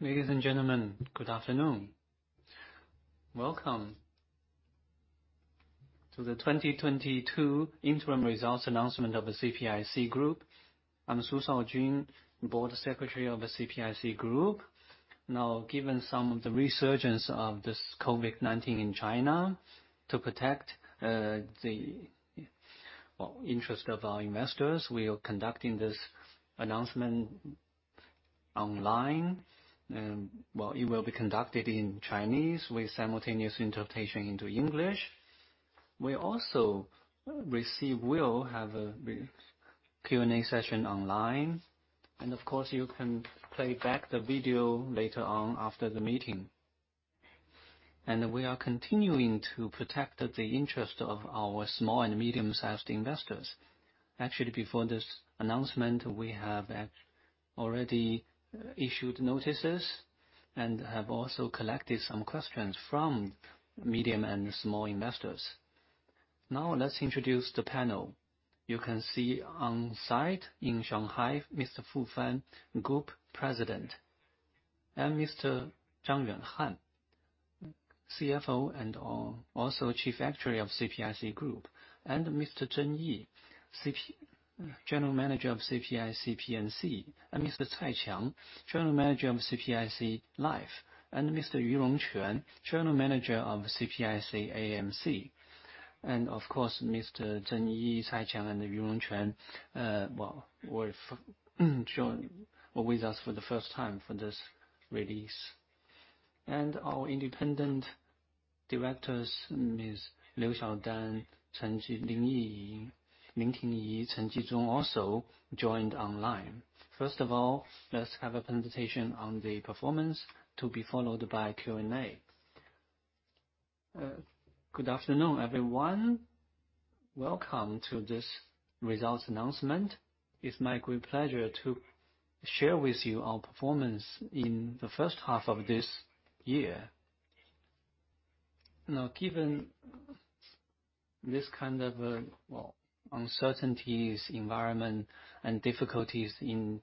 Ladies and gentlemen, good afternoon. Welcome to the 2022 Interim Results Announcement of the CPIC Group. I'm Su Shaojun, Board Secretary of the CPIC Group. Now, given some of the resurgence of this COVID-19 in China, to protect the interest of our investors, we are conducting this announcement online, and it will be conducted in Chinese with simultaneous interpretation into English. We'll have a Q&A session online, and of course, you can play back the video later on after the meeting. We are continuing to protect the interest of our small and medium-sized investors. Actually, before this announcement, we have already issued notices and have also collected some questions from medium and small investors. Now, let's introduce the panel. You can see on site in Shanghai, Mr. Fu Fan, Group President, and Mr. Zhang Yuanhan, CFO and also Chief Actuary of CPIC Group, and Mr. Zeng Yi, General Manager of CPIC P&C, and Mr. Cai Qiang, General Manager of CPIC Life, and Mr. Yu Rongquan, General Manager of CPIC AMC. Of course, Mr. Zeng Yi, Cai Qiang, and Yu Rongquan, well, will join with us for the first time for this release. Our independent directors, Ms. Liu Xiaodan, CHEN Jizhong, LAM Tyng Yih, Elizabeth also joined online. First of all, let's have a presentation on the performance to be followed by Q&A. Good afternoon, everyone. Welcome to this results announcement. It's my great pleasure to share with you our performance in the first half of this year. Now, given this kind of, well, uncertain environment, and difficulties in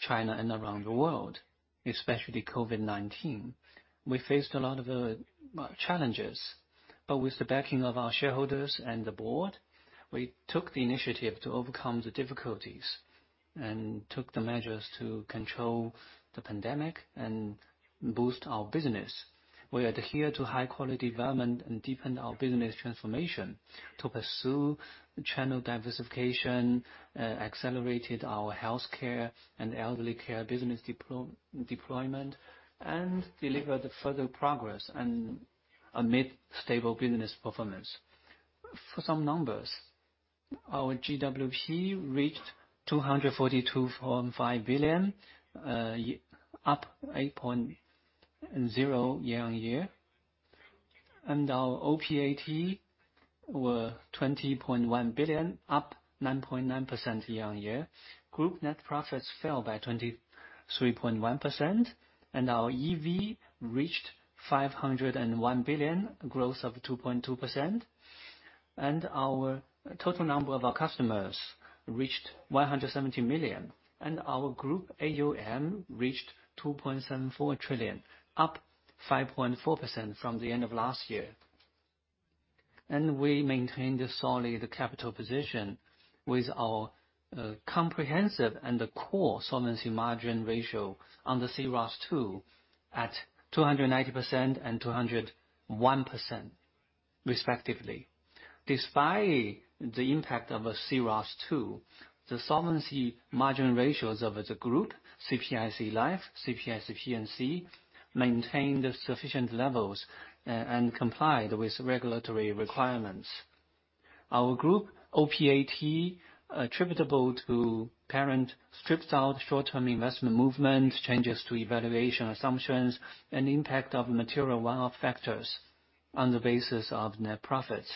China and around the world, especially COVID-19, we faced a lot of, well, challenges. With the backing of our shareholders and the board, we took the initiative to overcome the difficulties and took the measures to control the pandemic and boost our business. We adhere to high-quality development and deepened our business transformation to pursue channel diversification, accelerated our healthcare and elderly care business deployment, and delivered further progress amid stable business performance. For some numbers, our GWP reached 242.5 billion, up 8.0% year-on-year. Our OPAT were 20.1 billion, up 9.9% year-on-year. Group net profits fell by 23.1%, and our EV reached 501 billion, growth of 2.2%. Our total number of our customers reached 170 million, and our group AUM reached 2.74 trillion, up 5.4% from the end of last year. We maintained a solid capital position with our comprehensive and core solvency margin ratio on the CET1 at 290% and 201% respectively. Despite the impact of a CET1, the solvency margin ratios of the group, CPIC Life, CPIC P&C, maintained sufficient levels and complied with regulatory requirements. Our group OPAT attributable to parent stripped out short-term investment movements, changes to evaluation assumptions, and impact of material one-off factors on the basis of net profits.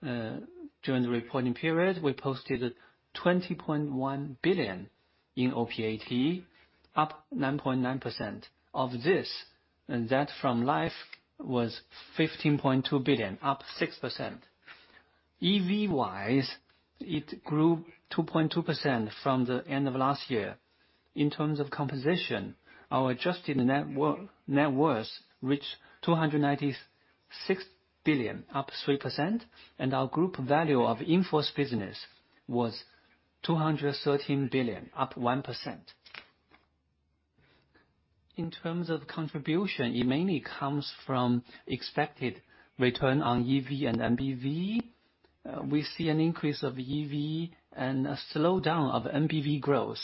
During the reporting period, we posted 20.1 billion in OPAT, up 9.9% of this, and that from Life was 15.2 billion, up 6%. EV-wise, it grew 2.2% from the end of last year. In terms of composition, our adjusted net worth reached 296 billion, up 3%, and our group value of in-force business was 213 billion, up 1%. In terms of contribution, it mainly comes from expected return on EV and MBV. We see an increase of EV and a slowdown of MBV growth.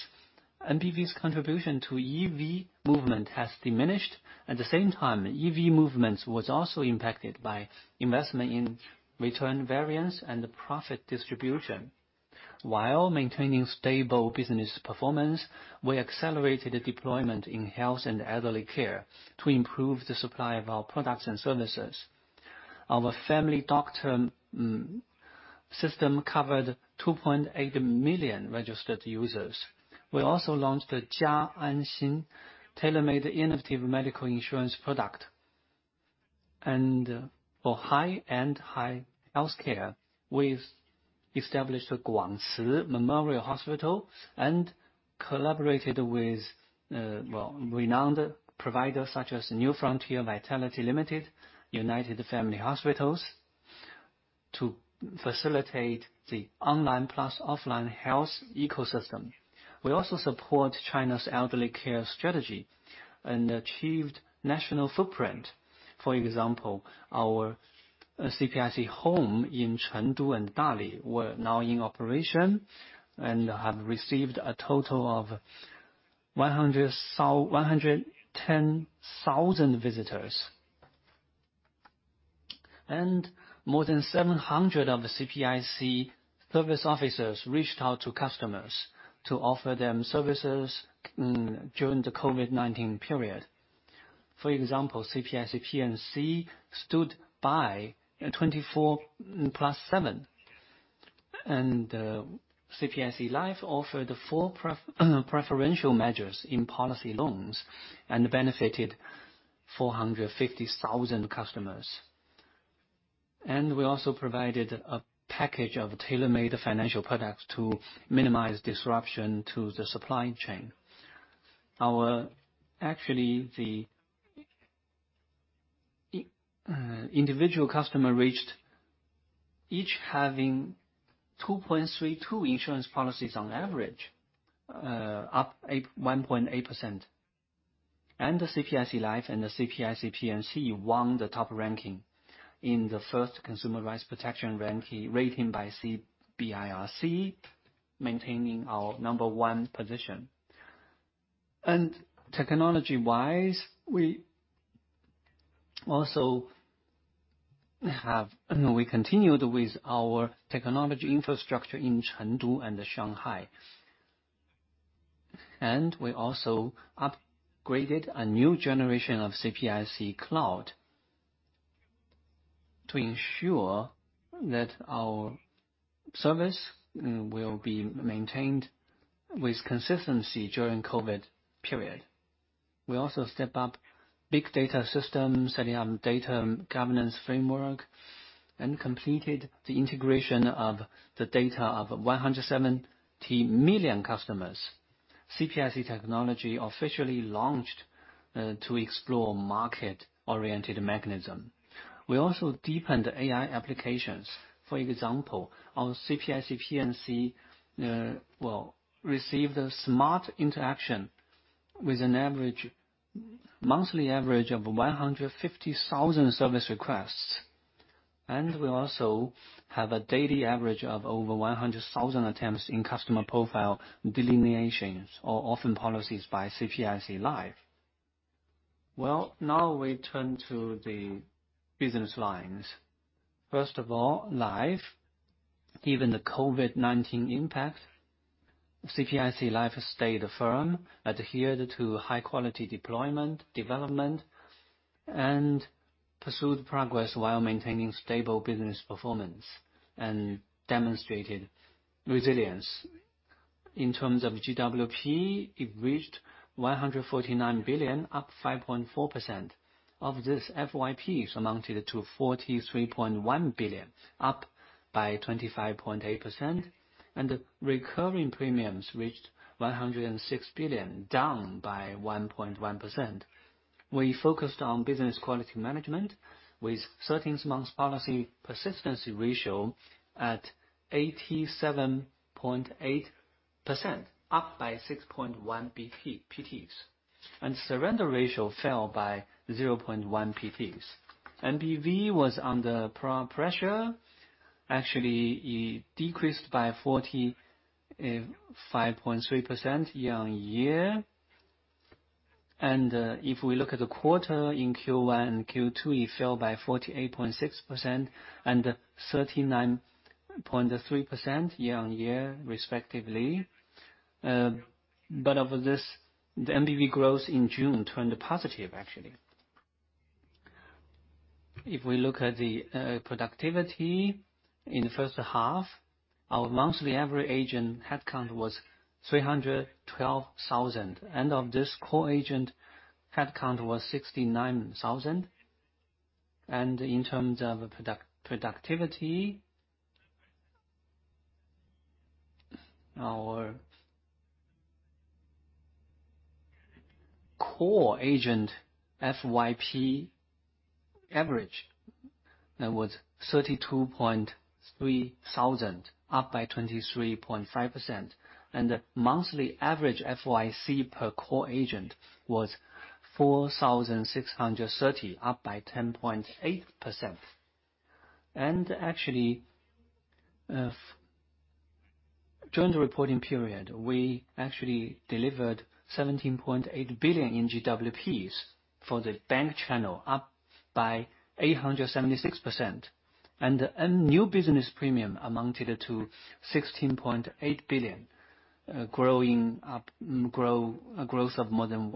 MBV's contribution to EV movement has diminished. At the same time, EV movement was also impacted by investment in return variance and the profit distribution. While maintaining stable business performance, we accelerated the deployment in health and elderly care to improve the supply of our products and services. Our Family Doctor system covered 2.8 million registered users. We also launched the Jia An Xin tailor-made innovative medical insurance product. For high-end, high healthcare, we've established Guang-Ci Memorial Hospital and collaborated with renowned providers such as New Frontier Health Corporation, United Family Healthcare, to facilitate the online plus offline health ecosystem. We also support China's elderly care strategy and achieved national footprint. For example, our CPIC Home in Chengdu and Dali were now in operation and have received a total of 110,000 visitors. More than 700 of the CPIC service officers reached out to customers to offer them services during the COVID-19 period. For example, CPIC P&C stood by 24/7, and CPIC Life offered four preferential measures in policy loans and benefited 450,000 customers. We also provided a package of tailor-made financial products to minimize disruption to the supply chain. Actually, the individual customers each having 2.32% insurance policies on average, up 1.8%. The CPIC Life and the CPIC P&C won the top ranking in the first consumer protection ranking rating by CBIRC, maintaining our number one position. Technology-wise, we continued with our technology infrastructure in Chengdu and Shanghai. We also upgraded a new generation of CPIC Cloud to ensure that our service will be maintained with consistency during COVID-19 period. We also stepped up big data systems and data governance framework, and completed the integration of the data of 170 million customers. CPIC Technology officially launched to explore market-oriented mechanism. We also deepened AI applications. For example, our CPIC P&C received a smart interaction with a monthly average of 150,000 service requests. We also have a daily average of over 100,000 attempts in customer profile verifications or online policies by CPIC Life. Well, now we turn to the business lines. First of all, Life. Given the COVID-19 impact, CPIC Life has stayed firm, adhered to high-quality deployment, development, and pursued progress while maintaining stable business performance, and demonstrated resilience. In terms of GWP, it reached 149 billion, up 5.4%. Of this, FYPs amounted to 43.1 billion, up by 25.8%. Recurring premiums reached 106 billion, down by 1.1%. We focused on business quality management with 13-month policy persistency ratio at 87.8%, up by 6.1 percentage points. Surrender ratio fell by 0.1 percentage points. MBV was under pressure. Actually, it decreased by 45.3% year-on-year. If we look at the quarter, in Q1 and Q2, it fell by 48.6% and 39.3% year-on-year, respectively. Of this, the MPV growth in June turned positive actually. If we look at the productivity in the first half, our monthly average agent headcount was 312,000. Of this, core agent headcount was 69,000. In terms of productivity, our core agent FYP average was CNY 32,300, up 23.5%. Monthly average FYC per core agent was 4,630, up 10.8%. Actually, during the reporting period, we actually delivered 17.8 billion in GWPs for the bank channel, up 876%. A new business premium amounted to 16.8 billion, growth of more than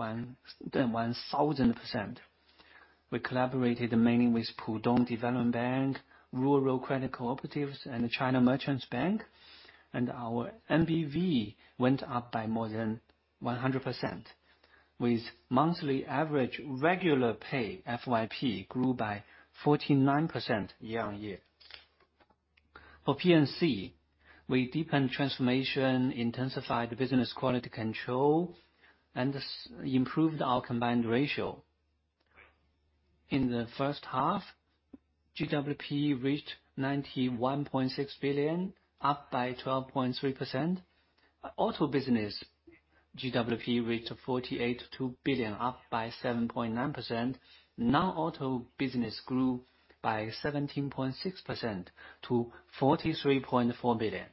1,000%. We collaborated mainly with Shanghai Pudong Development Bank, Rural Credit Cooperatives, and China Merchants Bank. Our MBV went up by more than 100%, with monthly average regular pay FYP grew by 49% year-on-year. For P&C, we deepened transformation, intensified business quality control, and improved our combined ratio. In the first half, GWP reached 91.6 billion, up by 12.3%. Auto business GWP reached 48.2 billion, up by 7.9%. Non-auto business grew by 17.6% to 43.4 billion.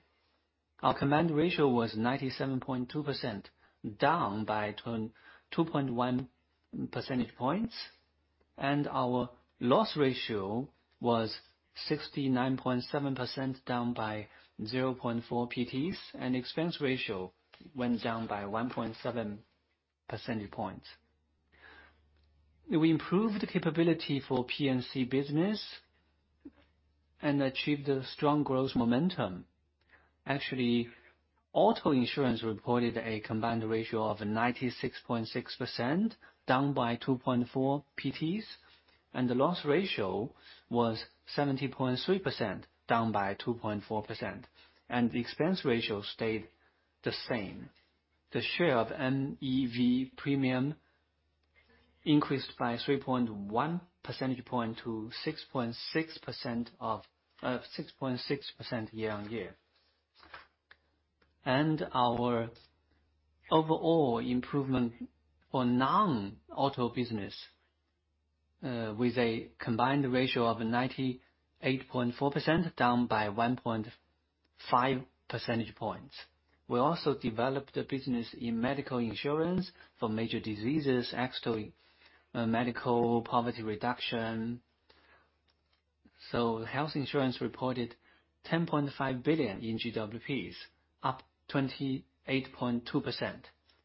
Our combined ratio was 97.2%, down by 2.1 percentage points. Our loss ratio was 69.7%, down by 0.4 percentage points. Expense ratio went down by 1.7 percentage points. We improved the capability for P&C business and achieved a strong growth momentum. Actually, auto insurance reported a combined ratio of 96.6%, down by 2.4 percentage points, and the loss ratio was 70.3%, down by 2.4%, and the expense ratio stayed the same. The share of NEV premium increased by 3.1 percentage points to 6.6% of, 6.6% year on year. Our overall improvement for non-auto business, with a combined ratio of 98.4%, down by 1.5 percentage points. We also developed a business in medical insurance for major diseases, actually, medical poverty reduction. Health insurance reported 10.5 billion in GWPs, up 28.2%.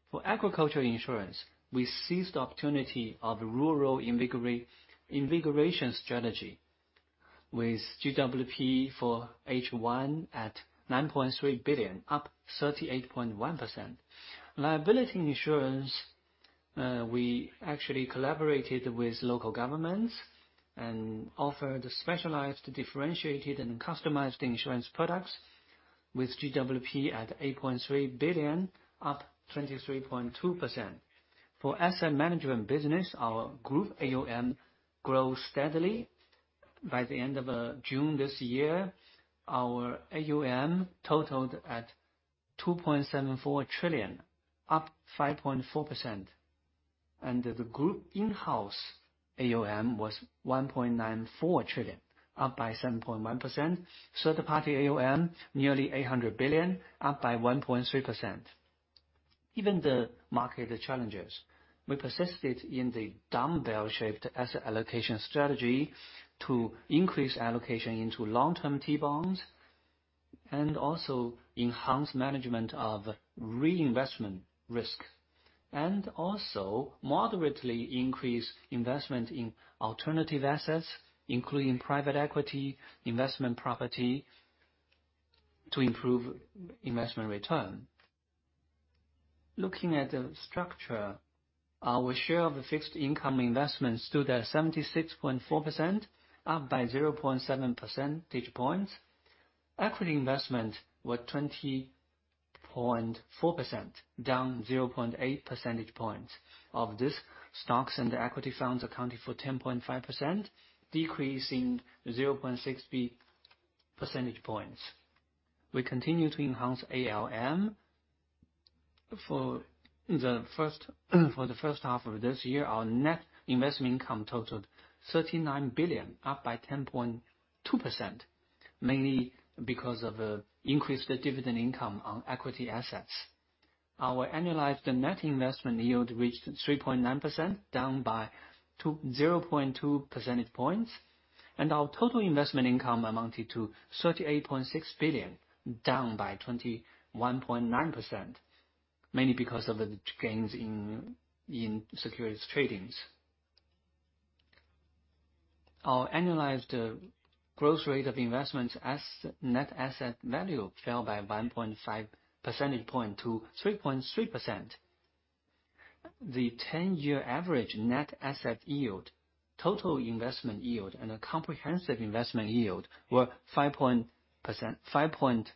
For agricultural insurance, we seized the opportunity of rural invigoration strategy, with GWP for H1 at 9.3 billion, up 38.1%. Liability insurance, we actually collaborated with local governments and offered specialized, differentiated, and customized insurance products with GWP at 8.3 billion, up 23.2%. For asset management business, our group AUM grew steadily. By the end of June this year, our AUM totaled at 2.74 trillion, up 5.4%. The group in-house AUM was 1.94 trillion, up by 7.1%. Third-party AUM, nearly 800 billion, up by 1.3%. Given the market challenges, we persisted in the dumbbell shaped asset allocation strategy to increase allocation into long-term T-bonds, and also enhance management of reinvestment risk, and also moderately increase investment in alternative assets, including private equity, investment property, to improve investment return. Looking at the structure, our share of the fixed income investments stood at 76.4%, up by 0.7 percentage points. Equity investment was 20.4%, down 0.8 percentage points. Of this, stocks and equity funds accounted for 10.5%, decreasing 0.6 percentage points. We continue to enhance AUM. For the first half of this year, our net investment income totaled 39 billion, up by 10.2%, mainly because of increased dividend income on equity assets. Our annualized net investment yield reached 3.9%, down by 0.2 percentage points. Our total investment income amounted to 38.6 billion, down by 21.9%, mainly because of the gains in securities tradings. Our annualized growth rate of investments as net asset value fell by 1.5 percentage point to 3.3%. The 10-year average net asset yield, total investment yield, and a comprehensive investment yield were 5.0%, 5.4%,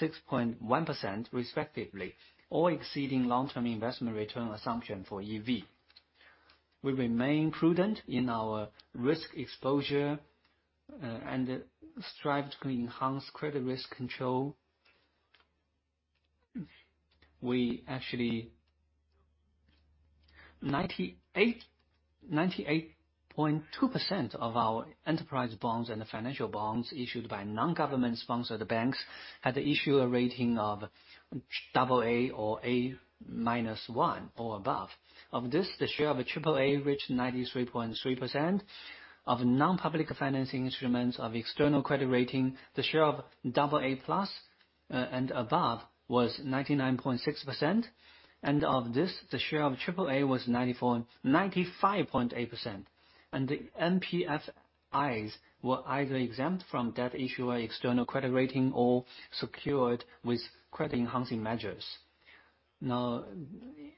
6.1% respectively, all exceeding long-term investment return assumption for EV. We remain prudent in our risk exposure and strive to enhance credit risk control. We actually-- 98.2% of our enterprise bonds and the financial bonds issued by non-government-sponsored banks had the issuer rating of AA or A-1 or above. Of this, the share of AAA reached 93.3%. Of non-public financing instruments of external credit rating, the share of AA+ and above was 99.6%. Of this, the share of AAA was 95.8%. The NPFIs were either exempt from debt issuer external credit rating or secured with credit enhancing measures. Now,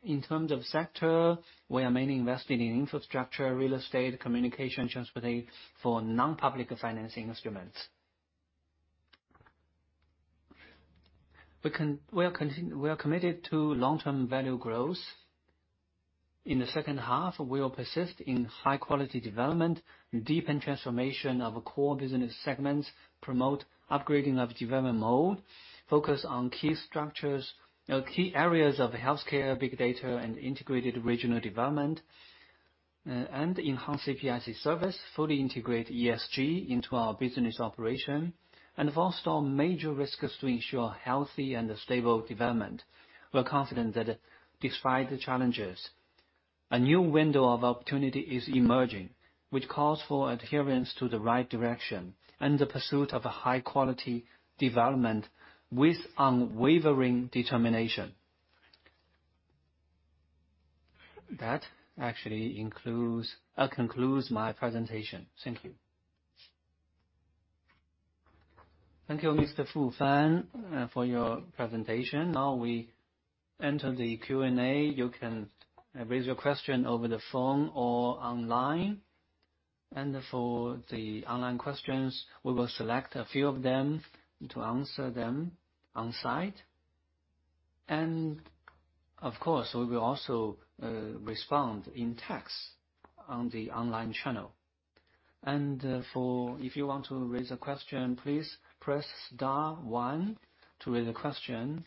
in terms of sector, we are mainly invested in infrastructure, real estate, communication, transportation for non-public financing instruments. We are committed to long-term value growth. In the second half, we will persist in high quality development, deepen transformation of core business segments, promote upgrading of development mode, focus on key structures, key areas of healthcare, big data, and integrated regional development, and enhance CPIC service, fully integrate ESG into our business operation, and foster major risks to ensure healthy and stable development. We're confident that despite the challenges, a new window of opportunity is emerging, which calls for adherence to the right direction and the pursuit of a high quality development with unwavering determination. That concludes my presentation. Thank you. Thank you, Mr. Fu Fan, for your presentation. Now we enter the Q&A. You can raise your question over the phone or online. For the online questions, we will select a few of them to answer them on-site. Of course, we will also respond in text on the online channel. If you want to raise a question, please press star one to raise a question.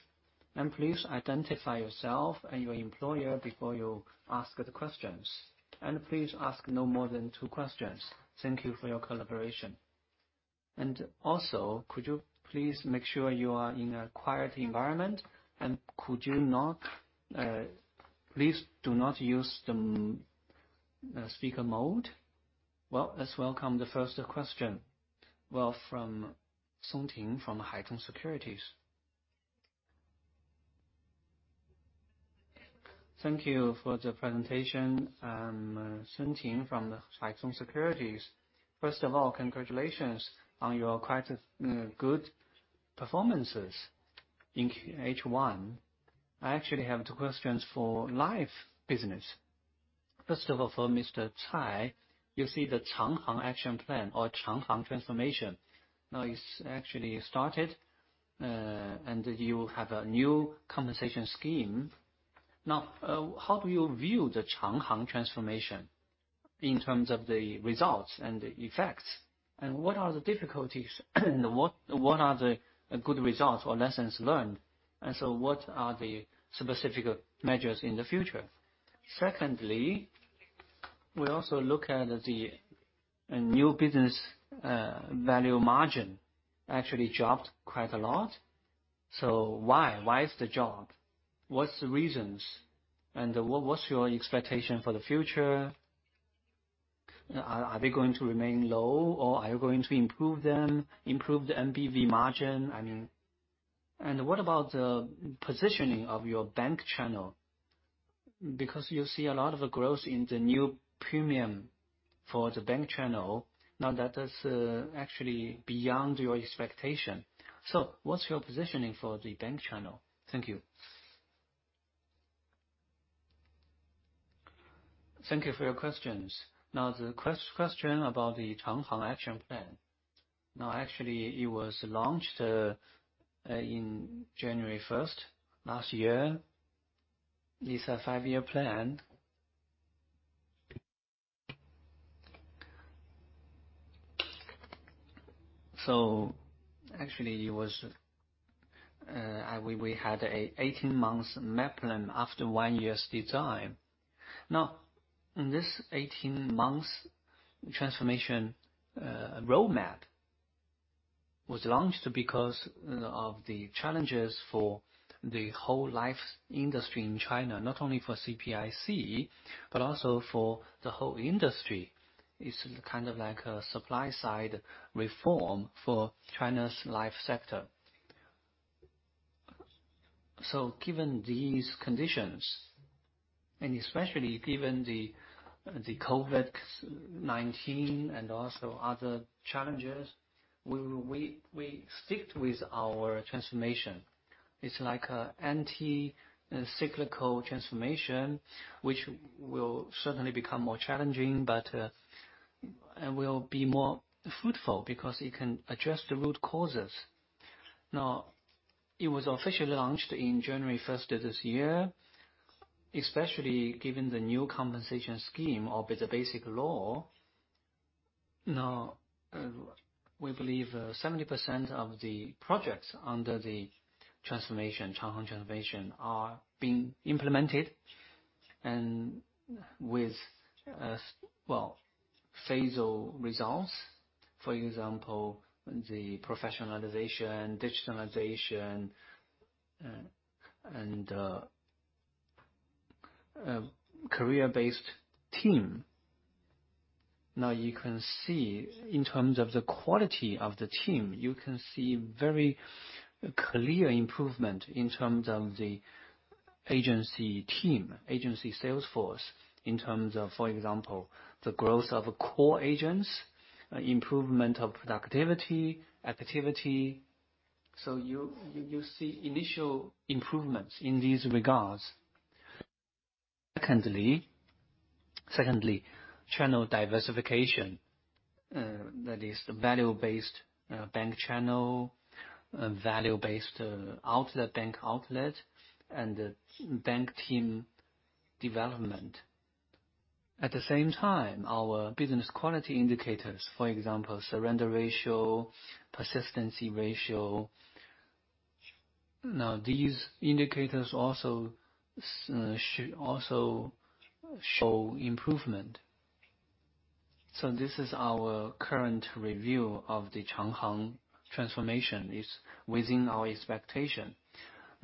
Please identify yourself and your employer before you ask the questions. Please ask no more than two questions. Thank you for your collaboration. Also, could you please make sure you are in a quiet environment, and please do not use the speaker mode. Well, let's welcome the first question. Well, from Sun Ting from Haitong Securities. Thank you for the presentation, Sun Ting from Haitong Securities. First of all, congratulations on your quite good performances in H1. I actually have two questions for life business. First of all, for Mr. Cai, you see the Changhang action plan or Changhang transformation now is actually started, and you have a new compensation scheme. Now, how do you view the Changhang transformation in terms of the results and the effects? And what are the difficulties? What are the good results or lessons learned? What are the specific measures in the future? Secondly, we also look at the new business value margin actually dropped quite a lot. So why is the drop? What's the reasons, and what's your expectation for the future? Are they going to remain low, or are you going to improve them, improve the MBV margin, I mean? And what about the positioning of your bank channel? Because you see a lot of growth in the new premium for the bank channel. Now, that is actually beyond your expectation. What's your positioning for the bank channel? Thank you. Thank you for your questions. Now, the question about the Changhang action plan. Now, actually, it was launched in January first, last year. It's a five-year plan. Actually, it was, we had a 18-month roadmap after one year's design. Now, this 18-month transformation roadmap was launched because of the challenges for the whole life industry in China, not only for CPIC, but also for the whole industry. It's kind of like a supply-side reform for China's life sector. Given these conditions, and especially given the COVID-19 and also other challenges, we stick with our transformation. It's like an anti-cyclical transformation, which will certainly become more challenging, but will be more fruitful because it can address the root causes. It was officially launched in January first of this year, especially given the new compensation scheme of the basic law. We believe 70% of the projects under the transformation, Changhang transformation are being implemented and with well, favorable results. For example, the professionalization, digitalization, and career-based team. You can see in terms of the quality of the team, you can see very clear improvement in terms of the agency team, agency sales force, in terms of, for example, the growth of core agents, improvement of productivity, activity. You see initial improvements in these regards. Secondly, channel diversification. That is value-based bank channel, value-based bank outlet, and bank team development. At the same time, our business quality indicators, for example, surrender ratio, persistency ratio. These indicators also should also show improvement. This is our current review of the Changhang transformation, is within our expectation.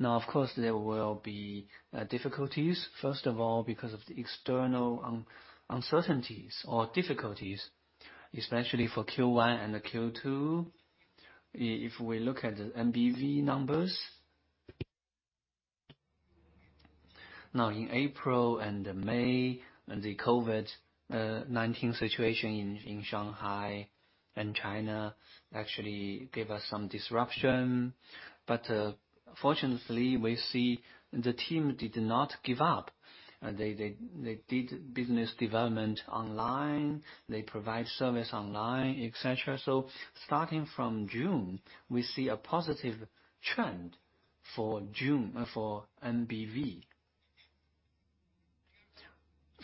Of course, there will be difficulties, first of all, because of the external uncertainties or difficulties, especially for Q1 and the Q2. If we look at the MBV numbers. In April and May, and the COVID-19 situation in Shanghai and China actually gave us some disruption. Fortunately, we see the team did not give up. They did business development online, they provide service online, et cetera. Starting from June, we see a positive trend for June for MBV.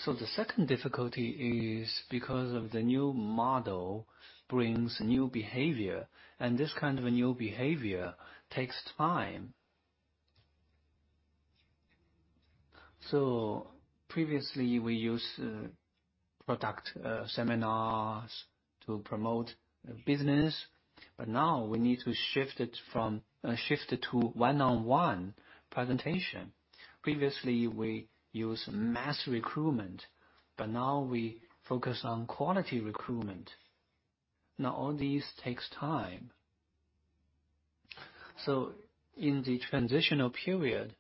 The second difficulty is because of the new model brings new behavior, and this kind of a new behavior takes time. Previously we used product seminars to promote business, but now we need to shift to one-on-one presentation. Previously, we use mass recruitment, but now we focus on quality recruitment. Now all these takes time. In the transitional period,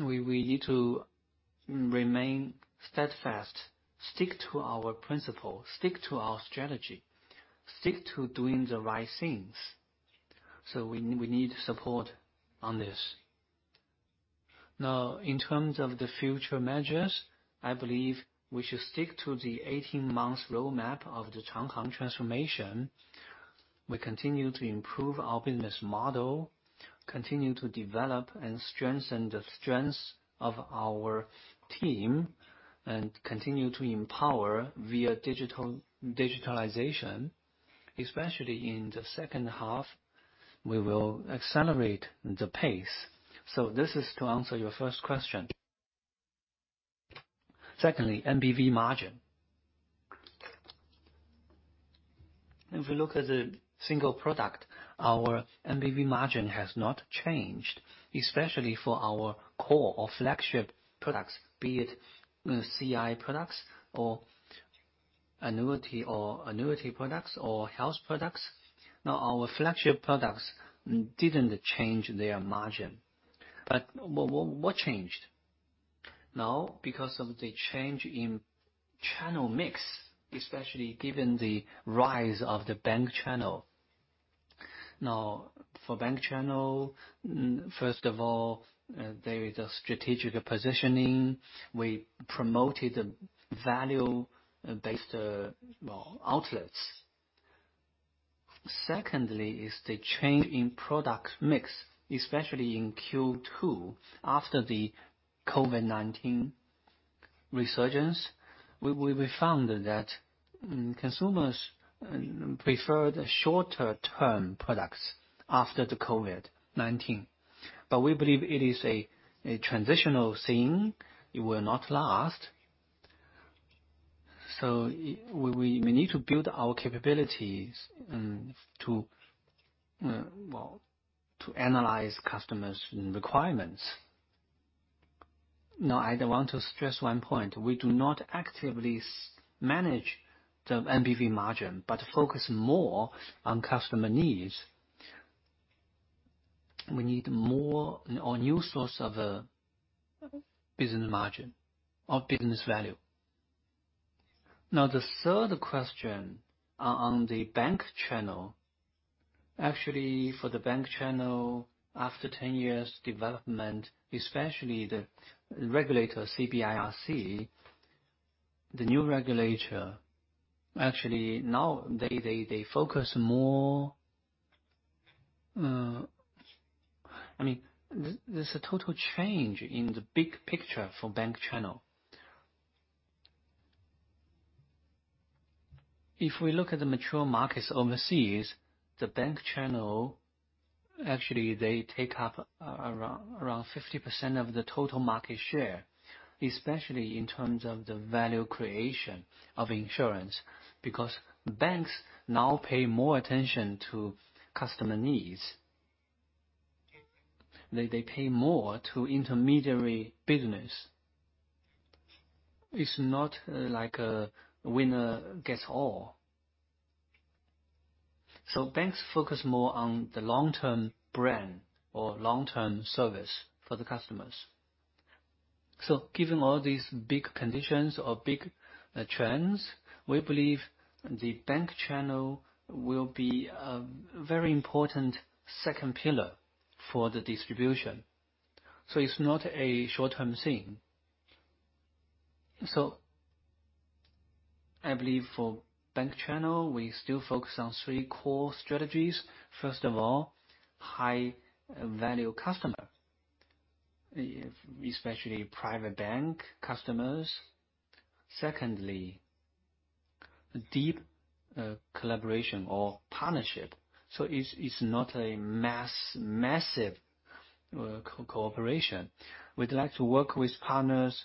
we need to remain steadfast, stick to our principles, stick to our strategy, stick to doing the right things. We need support on this. In terms of the future measures, I believe we should stick to the 18 months roadmap of the Changhang transformation. We continue to improve our business model, continue to develop and strengthen the strengths of our team, and continue to empower via digitalization. Especially in the second half, we will accelerate the pace. This is to answer your first question. Secondly, MBV margin. If we look at the single product, our MBV margin has not changed, especially for our core or flagship products, be it CI products or annuity products or health products. Now, our flagship products didn't change their margin. What changed? Now, because of the change in channel mix, especially given the rise of the bank channel. Now, for bank channel, first of all, there is a strategic positioning. We promoted value-based, well, outlets. Secondly is the change in product mix, especially in Q2. After the COVID-19 resurgence, we found that consumers preferred shorter term products after the COVID-19. But we believe it is a transitional thing, it will not last. We need to build our capabilities to, well, to analyze customers' requirements. Now, I do want to stress one point. We do not actively manage the MBV margin, but focus more on customer needs. We need more or new source of a business margin or business value. Now, the third question on the bank channel. Actually, for the bank channel, after 10 years development, especially the regulator, CBIRC, the new regulator. Actually, now they focus more. I mean, there's a total change in the big picture for bank channel. If we look at the mature markets overseas, the bank channel, actually, they take up around 50% of the total market share, especially in terms of the value creation of insurance, because banks now pay more attention to customer needs. They pay more to intermediary business. It's not like a winner gets all. Banks focus more on the long-term brand or long-term service for the customers. Given all these big conditions or big trends, we believe the bank channel will be a very important second pillar for the distribution. It's not a short-term thing. I believe for bank channel, we still focus on three core strategies. First of all, high value customer, especially private bank customers. Secondly, deep collaboration or partnership. It's not a massive cooperation. We'd like to work with partners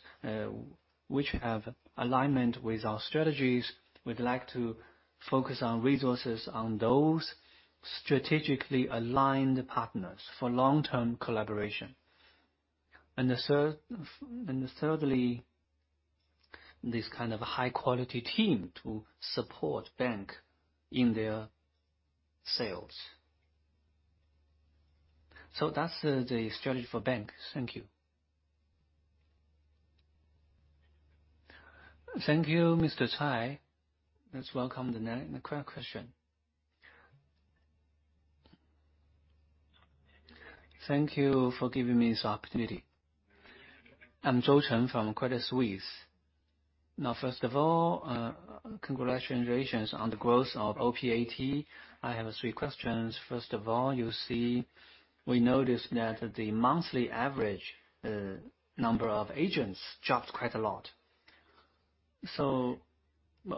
which have alignment with our strategies. We'd like to focus on resources on those strategically aligned partners for long-term collaboration. The third, thirdly, this kind of high-quality team to support bank in their sales. That's the strategy for banks. Thank you. Thank you, Mr. Cai. Let's welcome the next question. Thank you for giving me this opportunity. I'm Zhou Cheng from Credit Suisse. Now, first of all, congratulations on the growth of OPAT. I have three questions. First of all, you see, we noticed that the monthly average number of agents dropped quite a lot.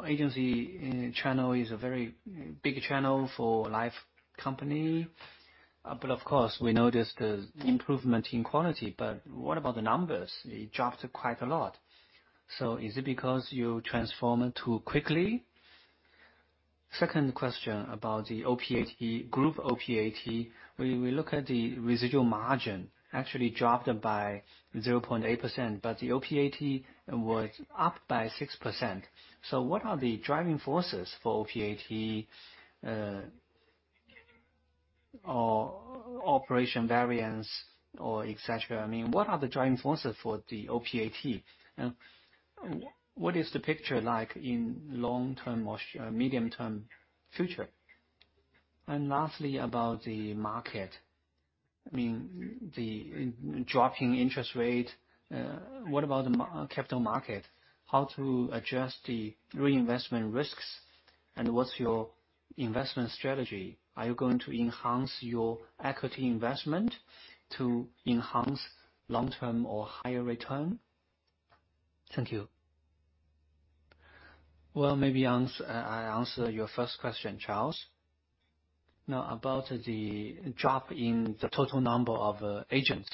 Agency channel is a very big channel for life company. Of course, we noticed the improvement in quality. What about the numbers? It dropped quite a lot. Is it because you transform too quickly? Second question about the OPAT, group OPAT. We look at the residual margin, actually dropped by 0.8%, but the OPAT was up by 6%. What are the driving forces for OPAT, or operation variance or et cetera? I mean, what are the driving forces for the OPAT? What is the picture like in long-term or medium-term future? Lastly, about the market. I mean, the dropping interest rate. What about the capital market? How to adjust the reinvestment risks, and what's your investment strategy? Are you going to enhance your equity investment to enhance long-term or higher return? Thank you. Well, maybe I answer your first question, Charles. Now, about the drop in the total number of agents.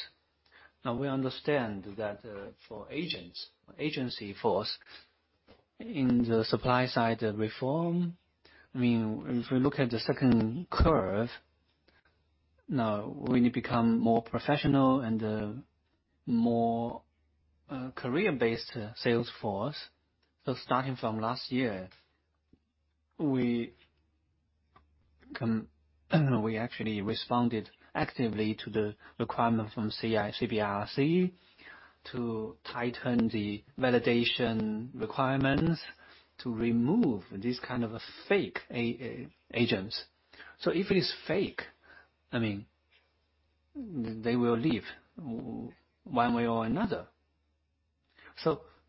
Now, we understand that, for agents, agency force in the supply-side reform, I mean, if we look at the second curve, now we need become more professional and more career-based sales force. So starting from last year, we actually responded actively to the requirement from CBIRC to tighten the validation requirements to remove this kind of fake agents. So if it is fake, I mean, they will leave one way or another.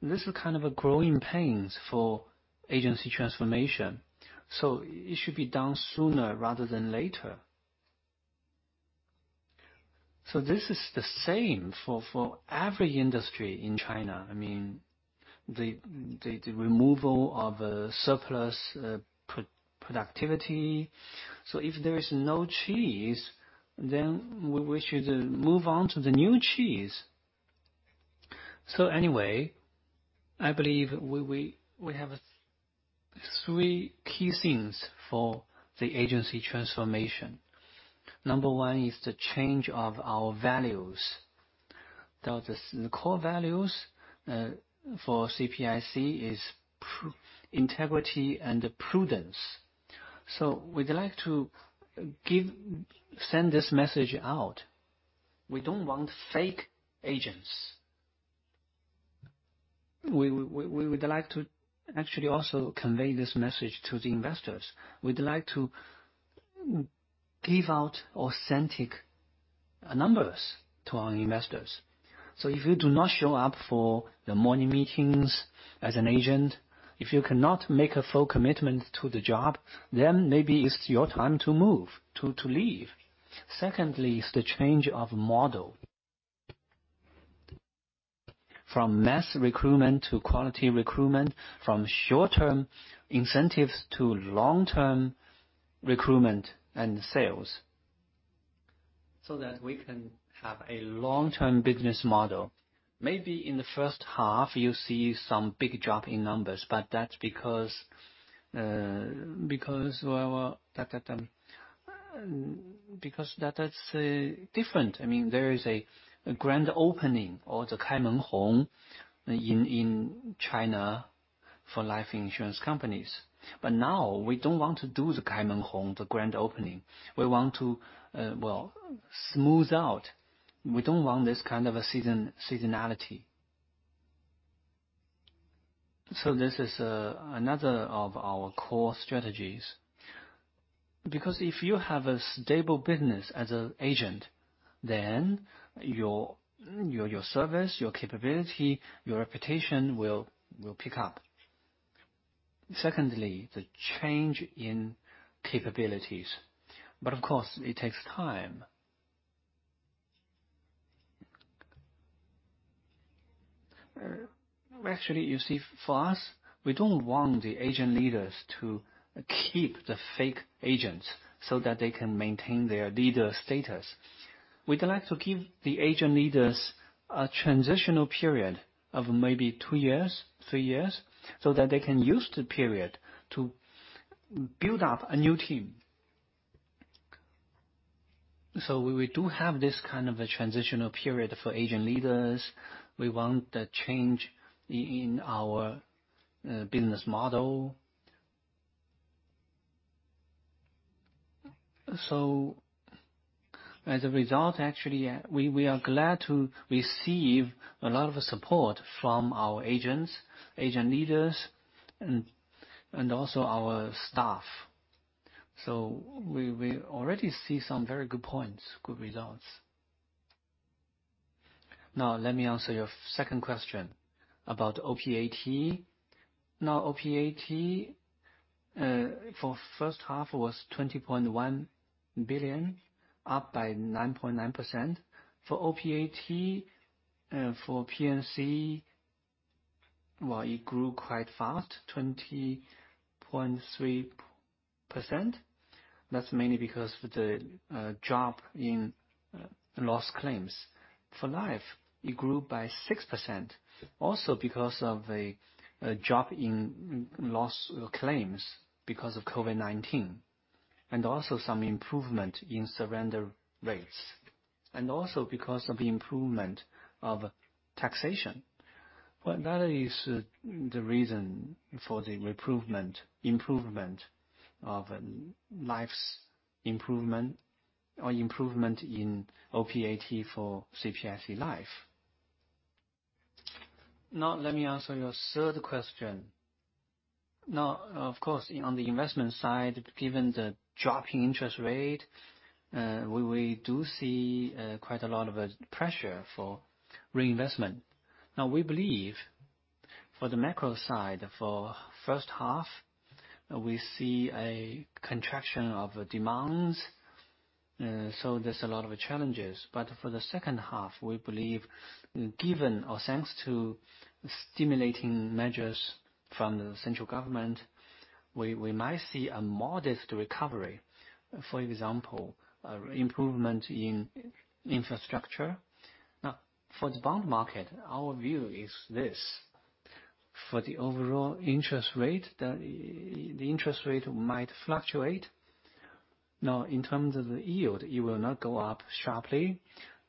This is kind of a growing pains for agency transformation. It should be done sooner rather than later. This is the same for every industry in China. I mean, the removal of surplus productivity. If there is no cheese, then we should move on to the new cheese. Anyway, I believe we have three key things for the agency transformation. Number one is the change of our values. The core values for CPIC is integrity and prudence. We'd like to send this message out. We don't want fake agents. We would like to actually also convey this message to the investors. We'd like to give out authentic numbers to our investors. If you do not show up for the morning meetings as an agent, if you cannot make a full commitment to the job, then maybe it's your time to move to leave. Secondly is the change of model. From mass recruitment to quality recruitment, from short-term incentives to long-term recruitment and sales, so that we can have a long-term business model. Maybe in the first half you'll see some big drop in numbers, but that's because that is different. I mean, there is a grand opening or the Kai Men Hong in China for life insurance companies. But now we don't want to do the Kai Men Hong, the grand opening. We want to smooth out. We don't want this kind of a seasonality. This is another of our core strategies, because if you have a stable business as an agent, then your service, your capability, your reputation will pick up. Secondly, the change in capabilities, but of course it takes time. Actually, you see, for us, we don't want the agent leaders to keep the fake agents so that they can maintain their leader status. We'd like to give the agent leaders a transitional period of maybe two years, three years, so that they can use the period to build up a new team. We do have this kind of a transitional period for agent leaders. We want the change in our business model. As a result, actually, we are glad to receive a lot of support from our agents, agent leaders and also our staff. We already see some very good points, good results. Let me answer your second question about OPAT. OPAT for first half was 20.1 billion, up by 9.9%. For OPAT for P&C, it grew quite fast, 20.3%. That's mainly because of the drop in loss claims. For Life, it grew by 6%, also because of a drop in loss claims because of COVID-19, and also some improvement in surrender rates, and also because of the improvement of taxation. That is the reason for the improvement of Life's OPAT for CPIC Life. Let me answer your third question. Of course, on the investment side, given the drop in interest rate, we do see quite a lot of pressure for reinvestment. Now, we believe for the macro side, for first half, we see a contraction of demands, so there's a lot of challenges. For the second half, we believe given or thanks to stimulus measures from the central government, we might see a modest recovery, for example, improvement in infrastructure. Now, for the bond market, our view is this, for the overall interest rate, the interest rate might fluctuate. Now, in terms of the yield, it will not go up sharply,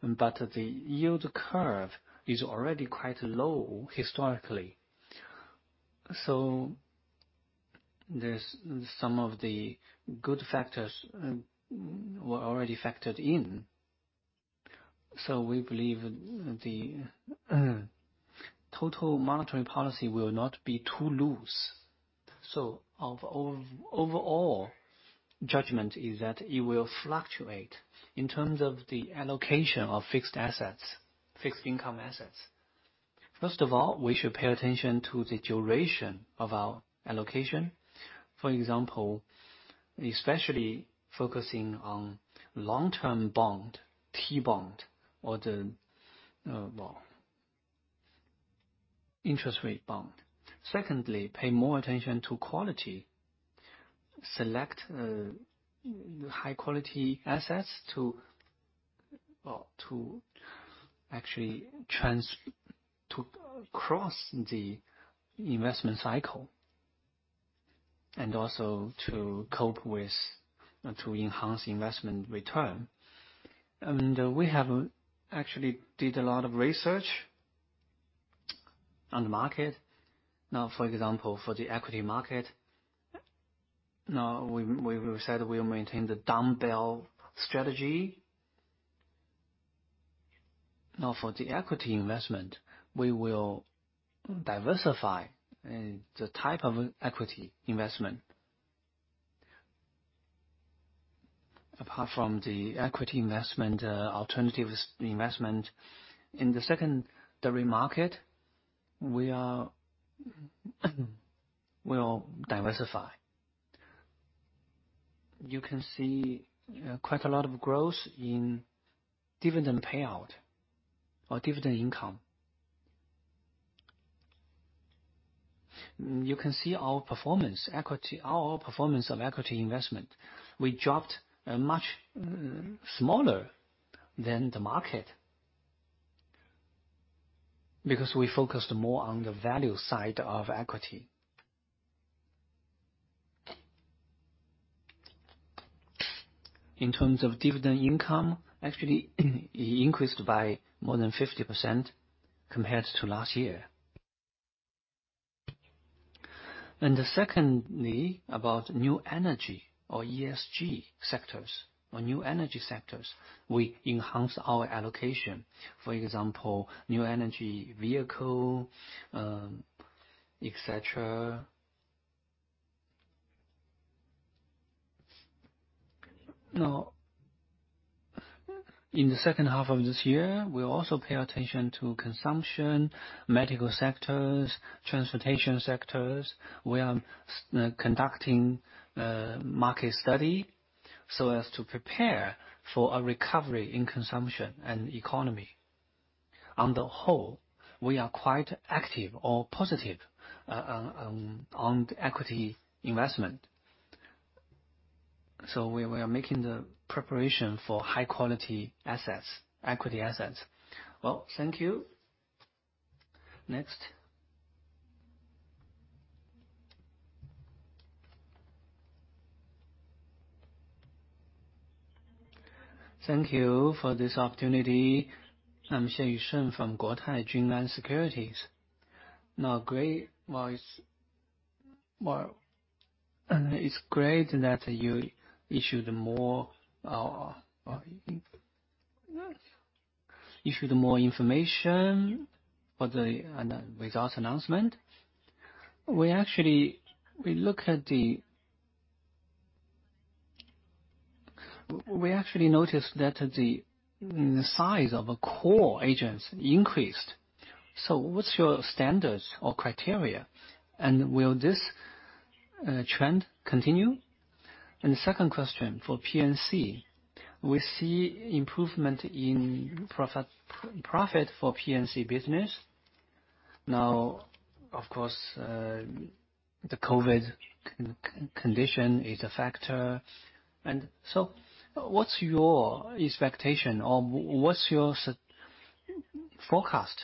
but the yield curve is already quite low historically. There's some of the good factors, were already factored in. We believe the total monetary policy will not be too loose. Overall judgment is that it will fluctuate. In terms of the allocation of fixed assets, fixed income assets, first of all, we should pay attention to the duration of our allocation. For example, especially focusing on long-term bond, T-bond, or the interest rate bond. Secondly, pay more attention to quality. Select high quality assets to actually cross the investment cycle, and also to cope with and to enhance investment return. We have actually did a lot of research on the market. Now, for example, for the equity market, now we've said we'll maintain the dumbbell strategy. Now, for the equity investment, we will diversify the type of equity investment. Apart from the equity investment, alternatives investment. In the secondary market, we'll diversify. You can see quite a lot of growth in dividend payout or dividend income. You can see our performance equity, our performance of equity investment. We dropped much smaller than the market because we focused more on the value side of equity. In terms of dividend income, actually, it increased by more than 50% compared to last year. Secondly, about new energy or ESG sectors or new energy sectors. We enhance our allocation, for example, new energy vehicle, et cetera. Now, in the second half of this year, we also pay attention to consumption, medical sectors, transportation sectors. We are conducting market study so as to prepare for a recovery in consumption and economy. On the whole, we are quite active or positive on equity investment. We are making the preparation for high quality assets, equity assets. Well, thank you. Next. Thank you for this opportunity. I'm Xie Yicheng from Guotai Junan Securities. Now, it's great that you issued more information on the results announcement. We actually noticed that the size of core agents increased. So what's your standards or criteria? And will this trend continue? The second question for P&C. We see improvement in profit for P&C business. Now, of course, the COVID condition is a factor. What's your expectation or what's your forecast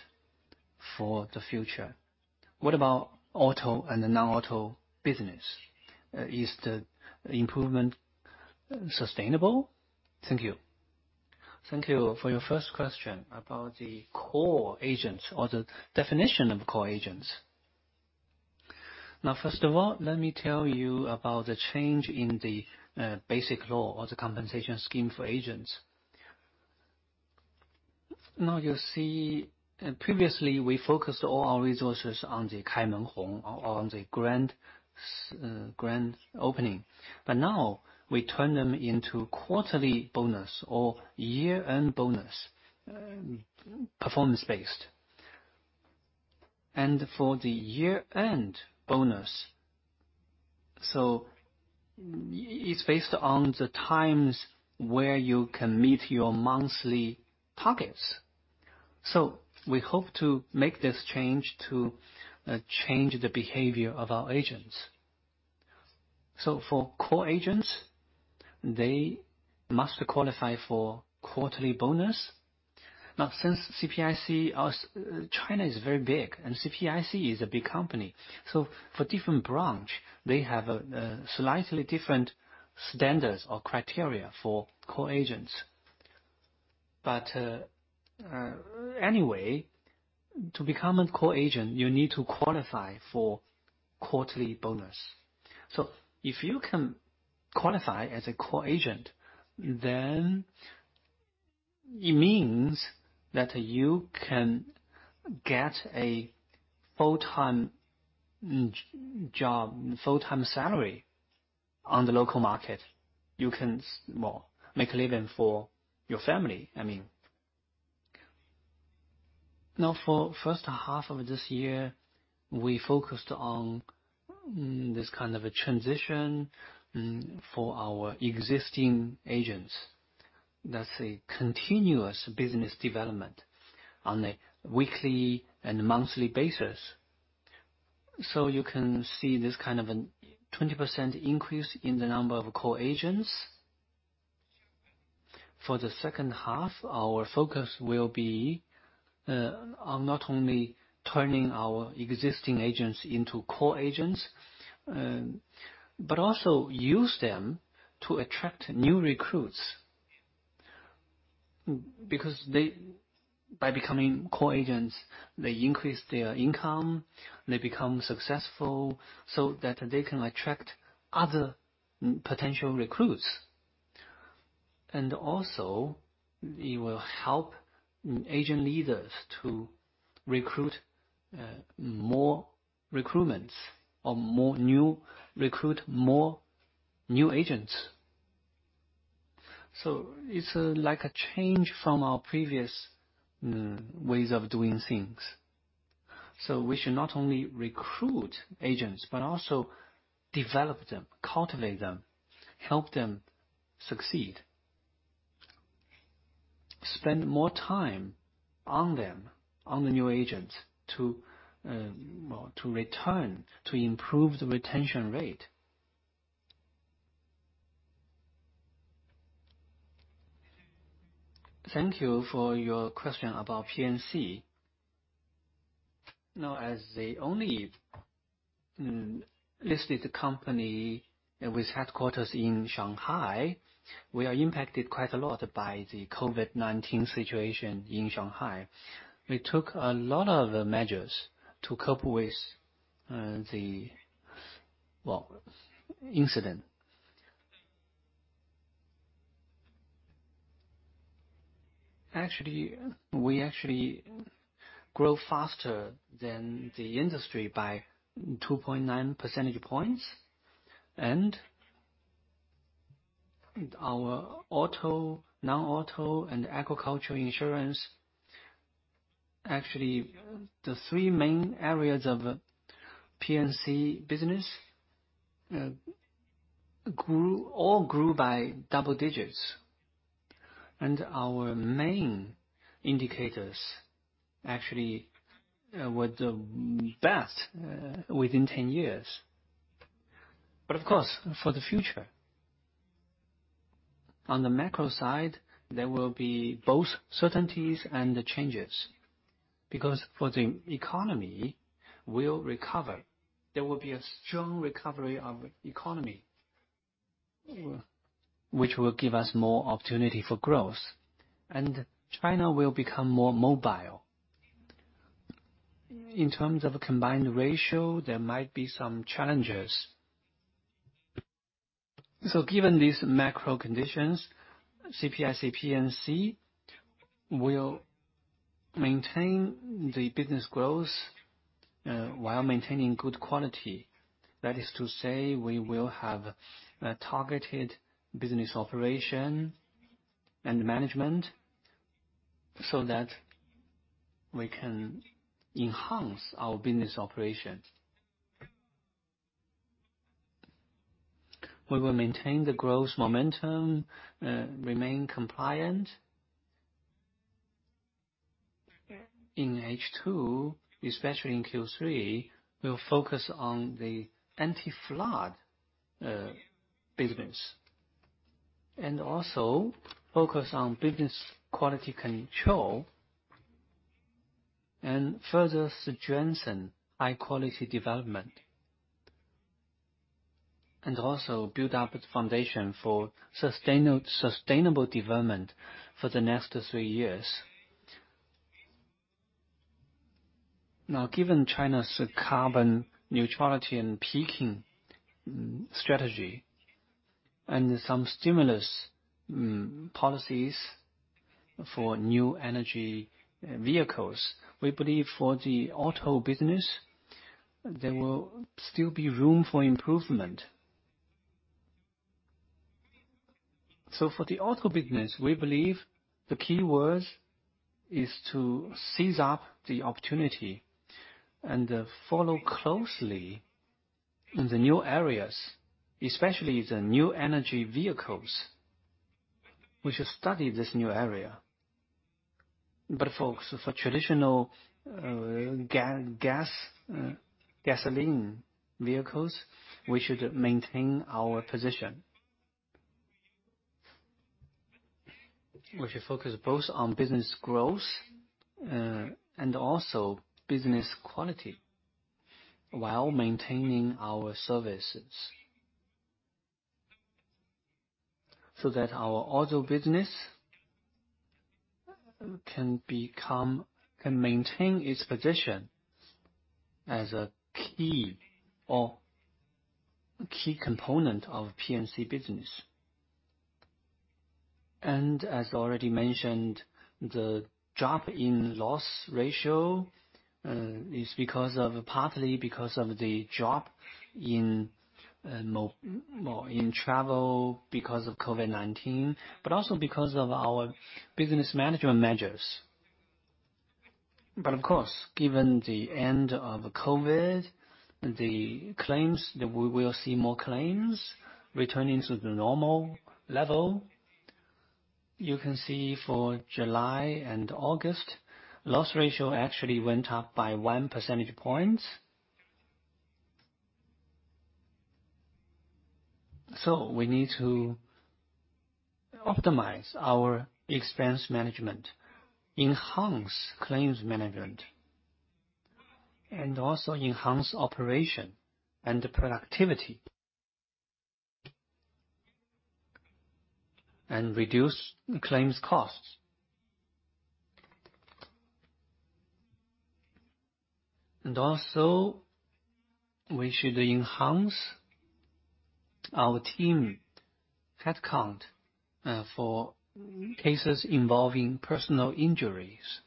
for the future? What about auto and the non-auto business? Is the improvement sustainable? Thank you. For your first question about the core agents or the definition of core agents. Now, first of all, let me tell you about the change in the basic rule of the compensation scheme for agents. Now, you see, previously we focused all our resources on the Kai Men Hong, on the grand opening, but now we turn them into quarterly bonus or year-end bonus, performance-based. For the year-end bonus, it's based on the times where you can meet your monthly targets. We hope to make this change to change the behavior of our agents. For core agents, they must qualify for quarterly bonus. Now, since CPIC or China is very big, and CPIC is a big company. For different branch, they have slightly different standards or criteria for core agents. Anyway, to become a core agent, you need to qualify for quarterly bonus. If you can qualify as a core agent, then it means that you can get a full-time job, full-time salary on the local market. You can well, make a living for your family, I mean. Now, for first half of this year, we focused on this kind of a transition for our existing agents. That's a continuous business development on a weekly and monthly basis. You can see this kind of a 20% increase in the number of core agents. For the second half, our focus will be on not only turning our existing agents into core agents, but also use them to attract new recruits. Because By becoming core agents, they increase their income, they become successful so that they can attract other potential recruits. Also it will help agent leaders to recruit more recruitments or recruit more new agents. It's like a change from our previous ways of doing things. We should not only recruit agents, but also develop them, cultivate them, help them succeed. Spend more time on them, on the new agents to retain, to improve the retention rate. Thank you for your question about P&C. Now, as the only listed company with headquarters in Shanghai, we are impacted quite a lot by the COVID-19 situation in Shanghai. We took a lot of measures to cope with the incident. Actually, we grow faster than the industry by 2.9 percentage points. Our auto, non-auto, and agricultural insurance, the three main areas of P&C business, all grew by double digits. Our main indicators were the best within 10 years. Of course, for the future, on the macro side, there will be both certainties and changes, because the economy will recover. There will be a strong recovery of economy, which will give us more opportunity for growth. China will become more mobile. In terms of combined ratio, there might be some challenges. Given these macro conditions, CPIC P&C will maintain the business growth while maintaining good quality. That is to say, we will have a targeted business operation and management so that we can enhance our business operations. We will maintain the growth momentum, remain compliant. In H2, especially in Q3, we'll focus on the anti-fraud business, and also focus on business quality control, and further strengthen high-quality development, and also build up its foundation for sustainable development for the next three years. Now, given China's carbon neutrality and peaking strategy, and some stimulus policies for new energy vehicles, we believe for the auto business, there will still be room for improvement. For the auto business, we believe the key word is to seize the opportunity and follow closely the new areas, especially the new energy vehicles. We should study this new area. For traditional gasoline vehicles, we should maintain our position. We should focus both on business growth and also business quality, while maintaining our services. That our auto business can maintain its position as a key component of P&C business. As already mentioned, the drop in loss ratio is partly because of the drop in travel because of COVID-19, but also because of our business management measures. Of course, given the end of COVID, the claims, we will see more claims returning to the normal level. You can see for July and August, loss ratio actually went up by 1 percentage point. We need to optimize our expense management, enhance claims management, and also enhance operation and productivity. Reduce claims costs. We should enhance our team headcount for cases involving personal injuries,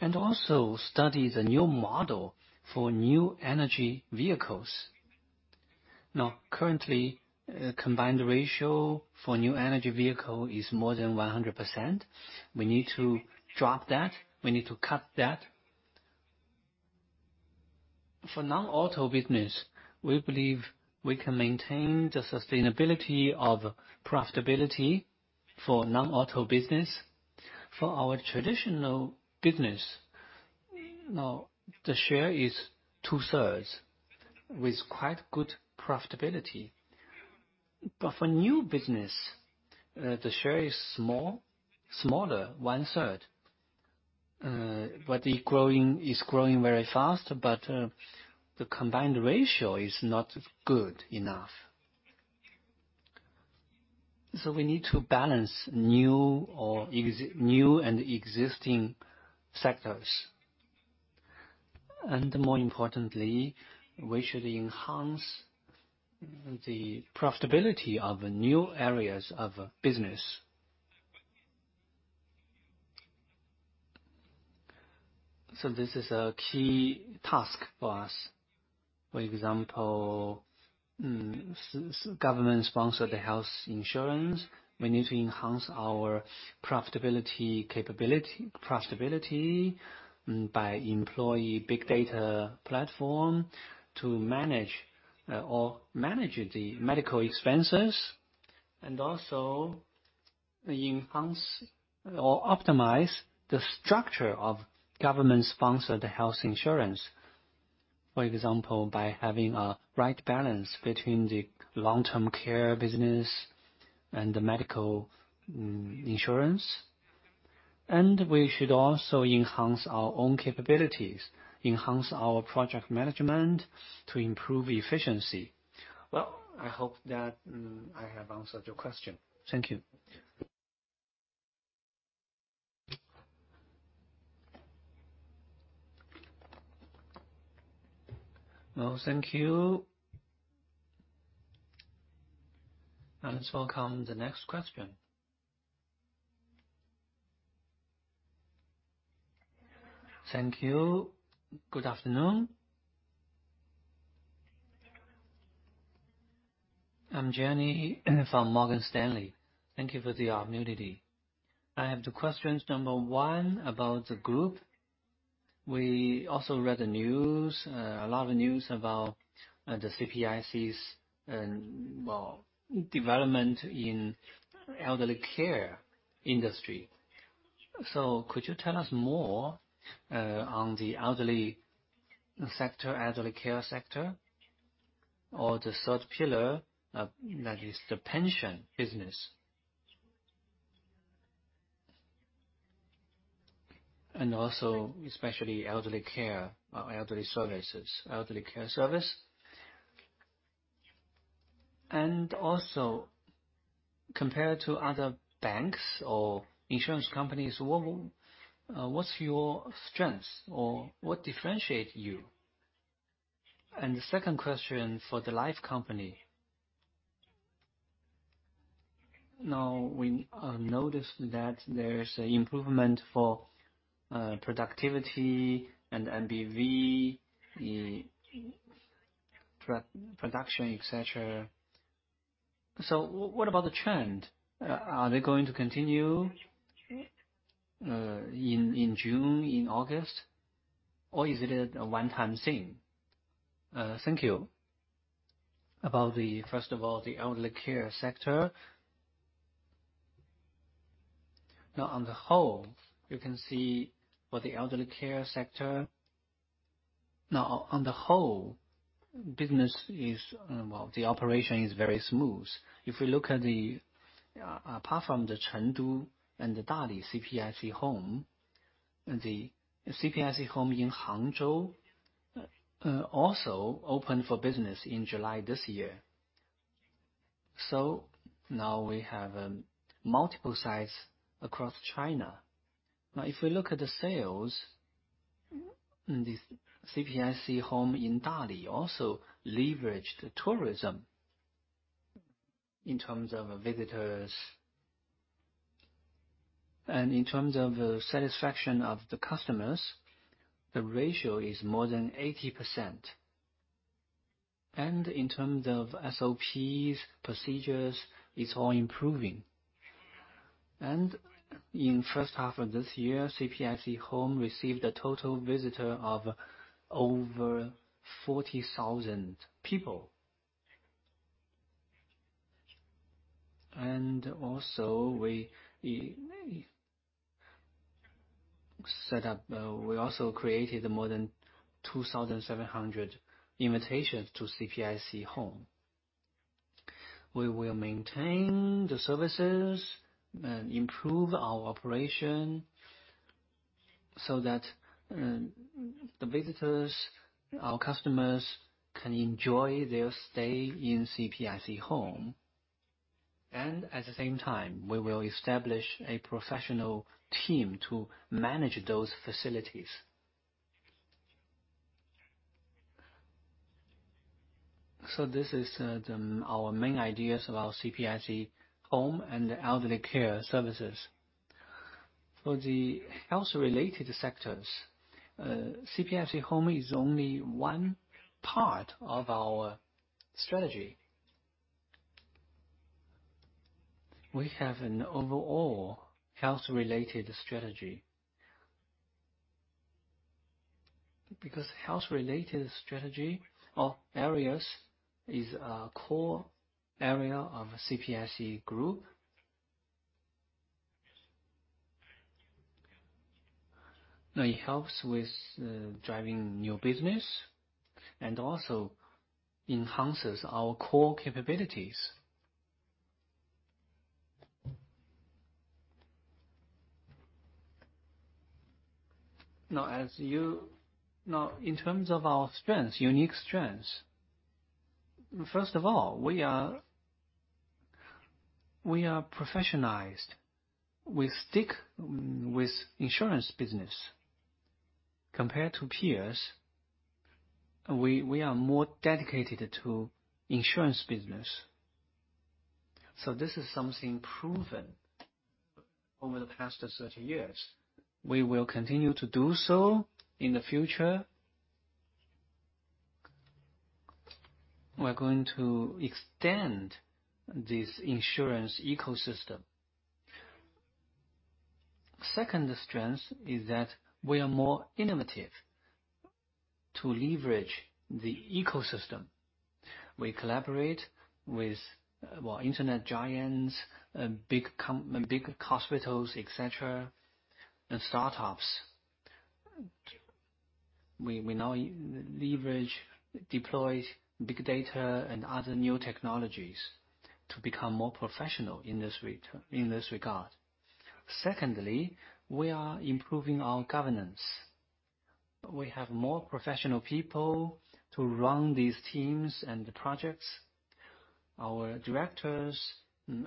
and also study the new model for new energy vehicles. Now, currently, combined ratio for new energy vehicle is more than 100%. We need to drop that. We need to cut that. For non-auto business, we believe we can maintain the sustainability of profitability for non-auto business. For our traditional business, now, the share is 2/3, with quite good profitability. For new business, the share is small, 1/3, but it's growing very fast, but the combined ratio is not good enough. We need to balance new and existing sectors. More importantly, we should enhance the profitability of the new areas of business. This is a key task for us. For example, government-sponsored health insurance, we need to enhance our profitability by employing big data platform to manage the medical expenses. Also enhance or optimize the structure of government-sponsored health insurance. For example, by having a right balance between the long-term care business and the medical insurance. We should also enhance our own capabilities, enhance our project management to improve efficiency. Well, I hope that I have answered your question. Thank you. Now, thank you. Let's welcome the next question. Thank you. Good afternoon. I'm Jenny from Morgan Stanley. Thank you for the opportunity. I have two questions. Number one about the group. We also read the news, a lot of news about the CPIC's and, well, development in elderly care industry. Could you tell us more on the elderly sector, elderly care sector or the third pillar, that is the pension business. Also especially elderly care or elderly services, elderly care service. Also, compared to other banks or insurance companies, what's your strengths or what differentiate you? The second question for the life company. Now, we noticed that there's improvement for productivity and MBV, productivity, et cetera. What about the trend? Are they going to continue in June, in August? Or is it a one-time thing? Thank you. About the-- First of all, the elderly care sector. Now, on the whole, you can see for the elderly care sector. Now, on the whole, business is, well, the operation is very smooth. If we look at the apart from the Chengdu and the Dali CPIC Home, the CPIC Home in Hangzhou also opened for business in July this year. Now we have multiple sites across China. Now, if we look at the sales, this CPIC Home in Dali also leveraged tourism in terms of visitors. In terms of satisfaction of the customers, the ratio is more than 80%. In terms of SOP's, procedures, it's all improving. In first half of this year, CPIC Home received a total visitor of over 40,000 people. We also created more than 2,700 invitations to CPIC Home. We will maintain the services and improve our operation so that the visitors, our customers, can enjoy their stay in CPIC Home. At the same time, we will establish a professional team to manage those facilities. This is our main ideas about CPIC Home and the elderly care services. For the health-related sectors, CPIC Home is only one part of our strategy. We have an overall health-related strategy. Because health-related strategy or areas is a core area of CPIC Group. Now, it helps with driving new business and also enhances our core capabilities. Now in terms of our strengths, unique strengths, first of all, we are professionalized. We stick with insurance business. Compared to peers, we are more dedicated to insurance business. This is something proven over the past 30 years. We will continue to do so in the future. We're going to extend this insurance ecosystem. Second strength is that we are more innovative to leverage the ecosystem. We collaborate with, well, internet giants and big hospitals, et cetera, and startups. We now leverage, deploy big data and other new technologies to become more professional in this regard. Secondly, we are improving our governance. We have more professional people to run these teams and the projects. Our directors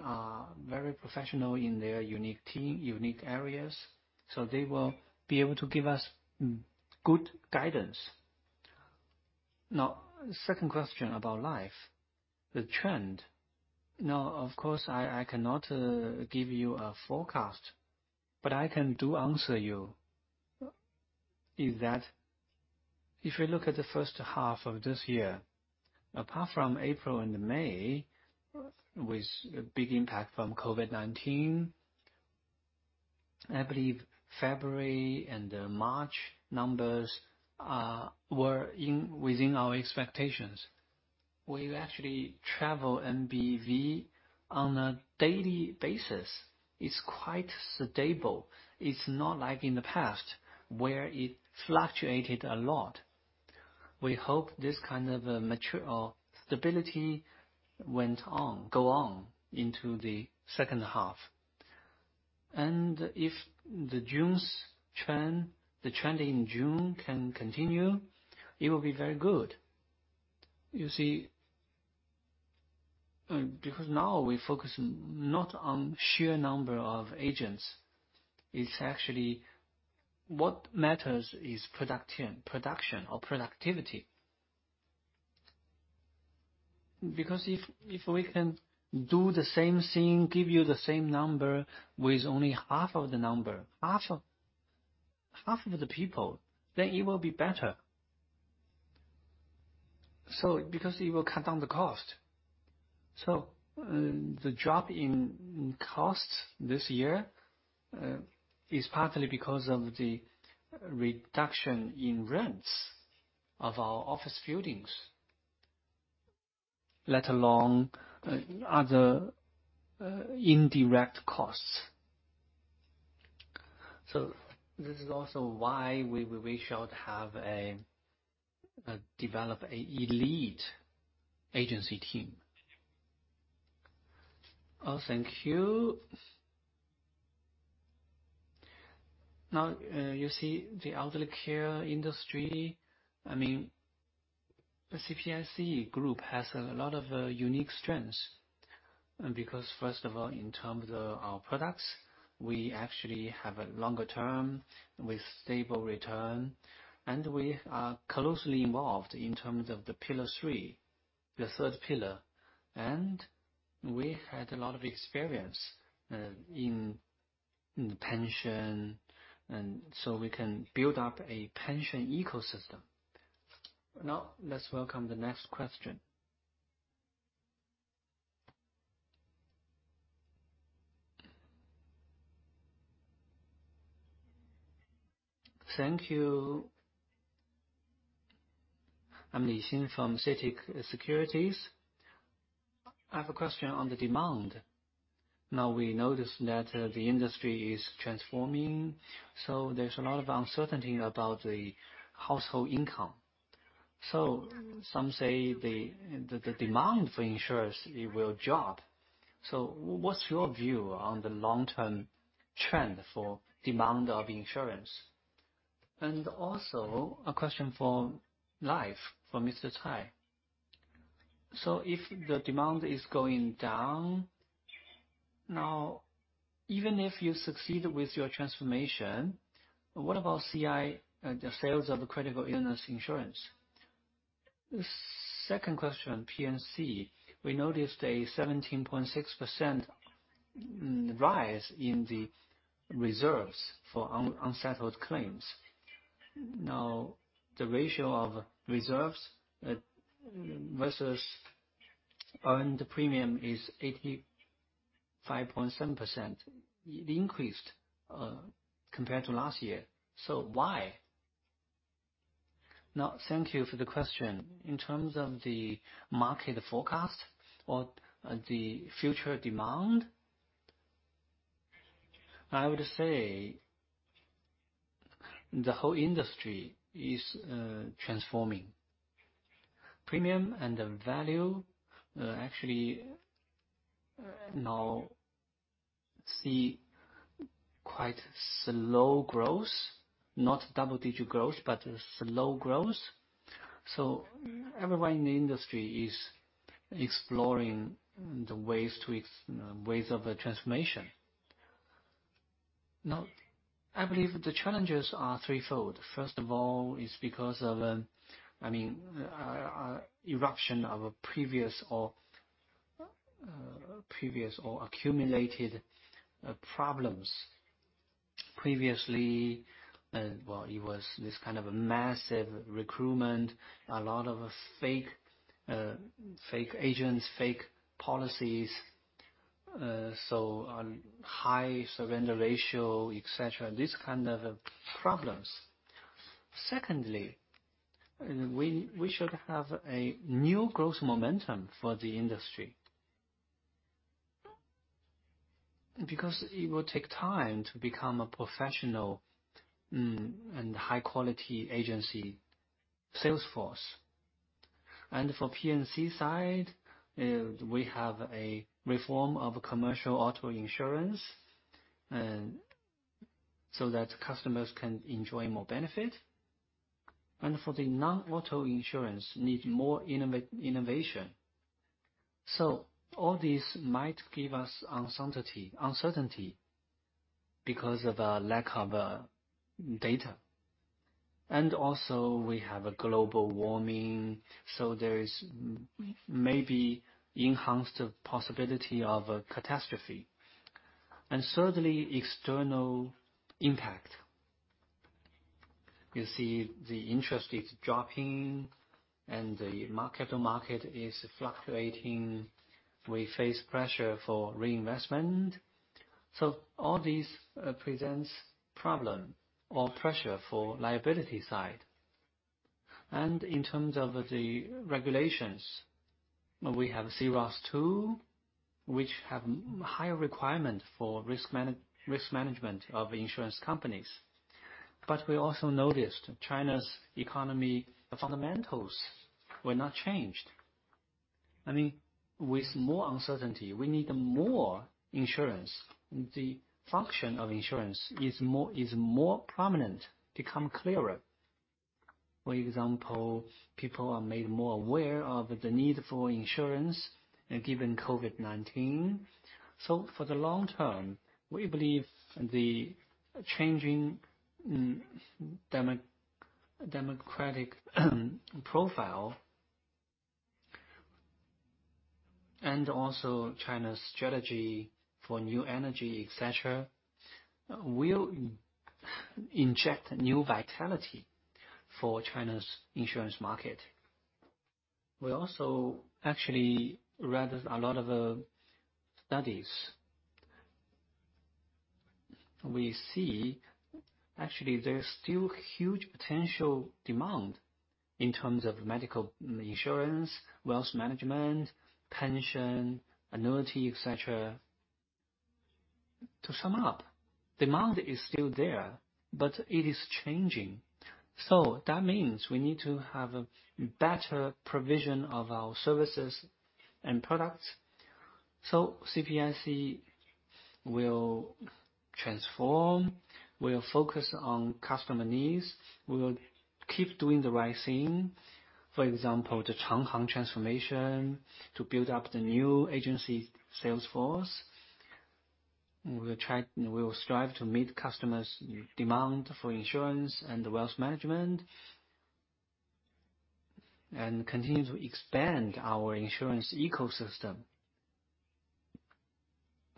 are very professional in their unique team, unique areas, so they will be able to give us good guidance. Now, second question about Life, the trend. Now, of course, I cannot give you a forecast, but I can answer you is that if you look at the first half of this year, apart from April and May with a big impact from COVID-19, I believe February and March numbers were within our expectations. We've actually track MBV on a daily basis. It's quite stable. It's not like in the past where it fluctuated a lot. We hope this kind of maturity or stability go on into the second half. If the trend in June can continue, it will be very good. You see, because now we focus not on sheer number of agents. It's actually what matters is production or productivity. Because if we can do the same thing, give you the same number with only half of the people, then it will be better. Because it will cut down the cost. The drop in costs this year is partly because of the reduction in rents of our office buildings, let alone other indirect costs. This is also why we should develop an elite agency team. Oh, thank you. Now, you see the elderly care industry, I mean, CPIC Group has a lot of unique strengths. Because first of all, in terms of our products, we actually have a longer term with stable return, and we are closely involved in terms of the pillar three, the third pillar. We had a lot of experience in pension, and so we can build up a pension ecosystem. Now, let's welcome the next question. Thank you. I'm Li Xin from CITIC Securities. I have a question on the demand. Now we noticed that, the industry is transforming, so there's a lot of uncertainty about the household income. Some say the demand for insurance will drop. What's your view on the long-term trend for demand of insurance? Also a question for Life from Mr. Cai. If the demand is going down, now, even if you succeed with your transformation, what about CI, the sales of critical illness insurance? Second question, P&C. We noticed a 17.6% rise in the reserves for unsettled claims. Now, the ratio of reserves versus earned premium is 85.7%. It increased compared to last year. Why? Now, thank you for the question. In terms of the market forecast or the future demand, I would say the whole industry is transforming. Premium and the value actually now see quite slow growth, not double-digit growth, but slow growth. Everyone in the industry is exploring ways of the transformation. I believe the challenges are threefold. First of all, it is because of, I mean, an eruption of previous or accumulated problems. Previously, well, it was this kind of massive recruitment, a lot of fake agents, fake policies, so a high surrender ratio, et cetera. These kind of problems. Secondly, we should have a new growth momentum for the industry. Because it will take time to become a professional and high-quality agency sales force. For P&C side, we have a reform of commercial auto insurance, and so that customers can enjoy more benefit. For the non-auto insurance need more innovation. All this might give us uncertainty because of a lack of data. Also we have global warming, so there is maybe enhanced possibility of a catastrophe. Thirdly, external impact. You see the interest is dropping and the capital market is fluctuating. We face pressure for reinvestment. All this presents problem or pressure for liability side. In terms of the regulations, we have C-ROSS II, which have higher requirement for risk management of insurance companies. We also noticed China's economy fundamentals were not changed. I mean, with more uncertainty, we need more insurance. The function of insurance is more prominent, become clearer. For example, people are made more aware of the need for insurance, given COVID-19. For the long term, we believe the changing democratic profile, and also China's strategy for new energy, et cetera, will inject new vitality for China's insurance market. We also actually read a lot of studies. We see actually there's still huge potential demand in terms of medical insurance, wealth management, pension, annuity, et cetera. To sum up, demand is still there, but it is changing. That means we need to have better provision of our services and products. CPIC will transform, will focus on customer needs. We will keep doing the right thing. For example, the Changhang transformation to build up the new agency sales force. We will strive to meet customers' demand for insurance and wealth management, and continue to expand our insurance ecosystem.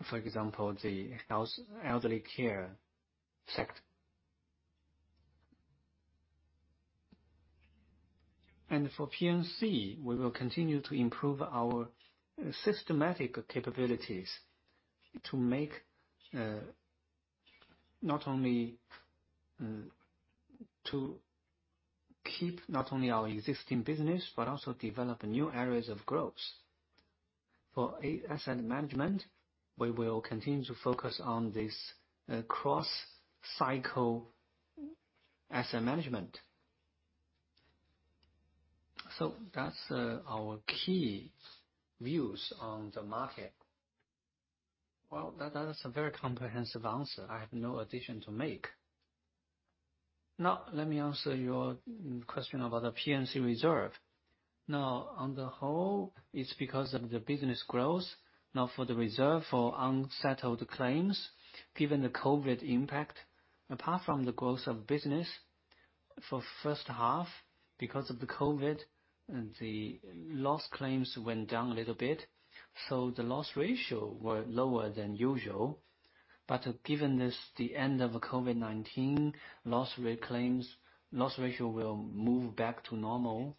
For example, the elderly care sector. For P&C, we will continue to improve our systematic capabilities to not only keep our existing business, but also develop new areas of growth. For asset management, we will continue to focus on this cross-cycle asset management. That's our key views on the market. Well, that is a very comprehensive answer. I have no addition to make. Now, let me answer your question about the P&C reserve. Now, on the whole, it's because of the business growth. Now, for the reserve for unsettled claims, given the COVID impact, apart from the growth of business, for first half, because of the COVID, the loss claims went down a little bit, so the loss ratio were lower than usual. Given the end of COVID-19, loss claims, loss ratio will move back to normal.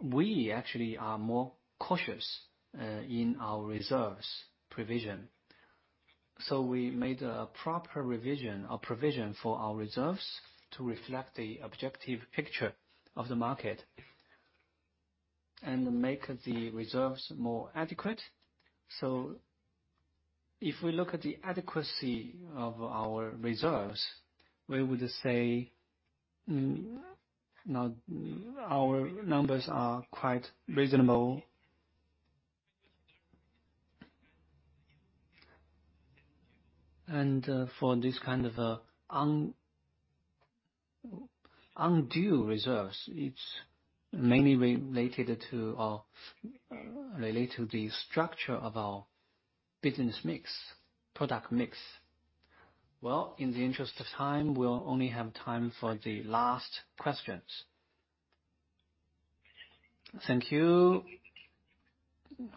We actually are more cautious in our reserves provision. We made a proper revision or provision for our reserves to reflect the objective picture of the market and make the reserves more adequate. If we look at the adequacy of our reserves, we would say, now our numbers are quite reasonable. For this kind of undue reserves, it's mainly related to the structure of our business mix, product mix. Well, in the interest of time, we'll only have time for the last questions. Thank you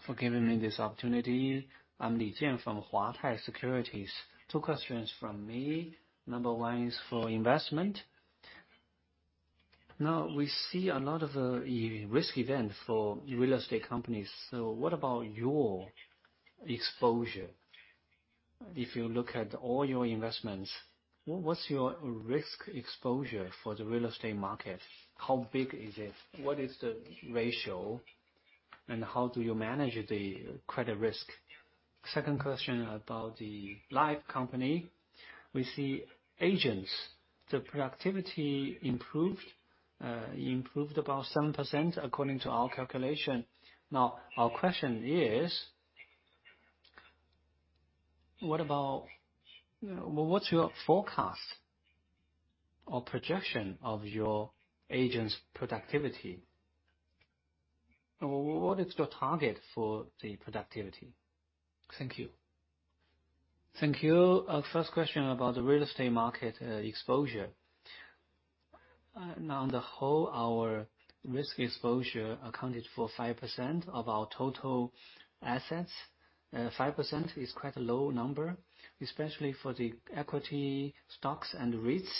for giving me this opportunity. I'm Li Jian from Huatai Securities. Two questions from me. Number one is for investment. Now we see a lot of high-risk events for real estate companies. So what about your exposure? If you look at all your investments, what's your risk exposure for the real estate market? How big is it? What is the ratio, and how do you manage the credit risk? Second question about the life company. We see agents, the productivity improved about 7% according to our calculation. Now our question is: What's your forecast or projection of your agents' productivity? What is your target for the productivity? Thank you. Thank you. First question about the real estate market, exposure. On the whole, our risk exposure accounted for 5% of our total assets. 5% is quite a low number, especially for the equity stocks and REITs.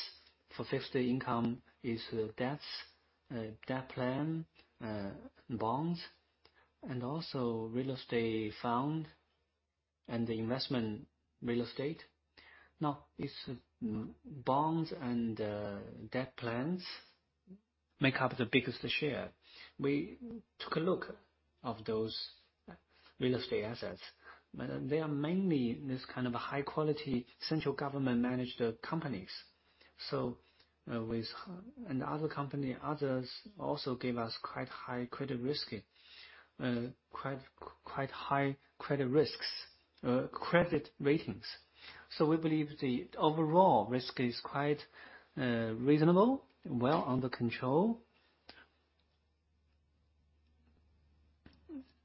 For fixed income is debts, debt plan, bonds, and also real estate fund and the investment real estate. Now it's bonds and debt plans make up the biggest share. We took a look of those real estate assets. They are mainly this kind of high-quality central government-managed companies. The other companies also gave us quite high credit ratings. We believe the overall risk is quite reasonable, well under control.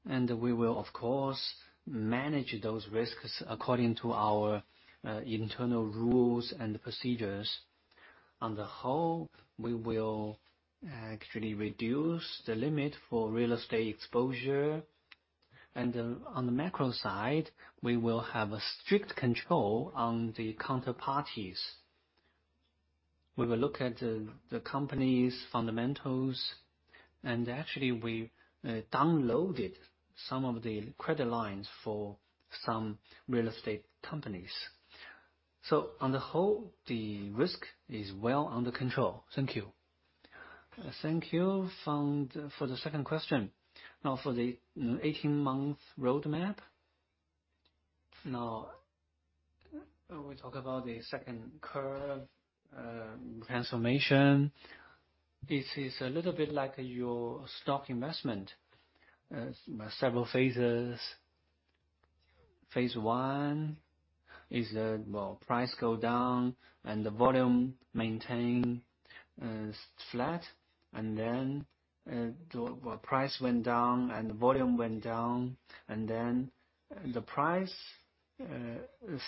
We will of course manage those risks according to our internal rules and procedures. On the whole, we will actually reduce the limit for real estate exposure. On the macro side, we will have a strict control on the counterparties. We will look at the company's fundamentals, and actually we downloaded some of the credit lines for some real estate companies. So on the whole, the risk is well under control. Thank you. Thank you. For the second question. Now for the 18-month roadmap. Now we talk about the second curve transformation. This is a little bit like your stock investment. Several phases. Phase I is that price go down and the volume maintain flat. Then price went down and the volume went down, and then the price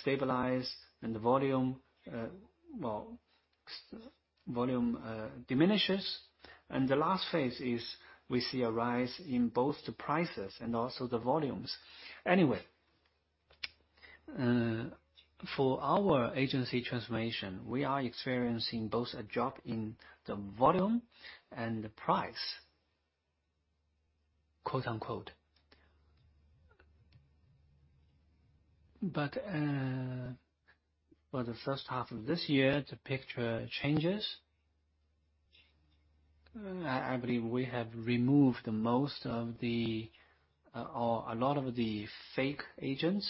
stabilized and the volume diminishes. The last phase is we see a rise in both the prices and also the volumes. Anyway, for our agency transformation, we are experiencing both a drop in the volume and the price, quote unquote. For the first half of this year, the picture changes. I believe we have removed most of the, or a lot of the fake agents,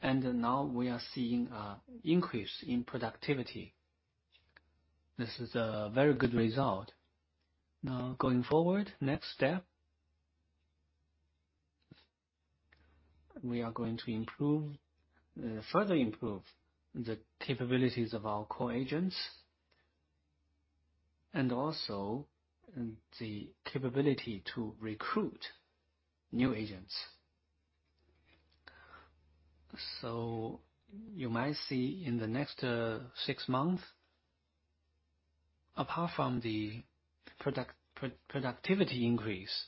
and now we are seeing an increase in productivity. This is a very good result. Now going forward, next step, we are going to improve, further improve the capabilities of our core agents and also the capability to recruit new agents. You might see in the next, six months, apart from the productivity increase,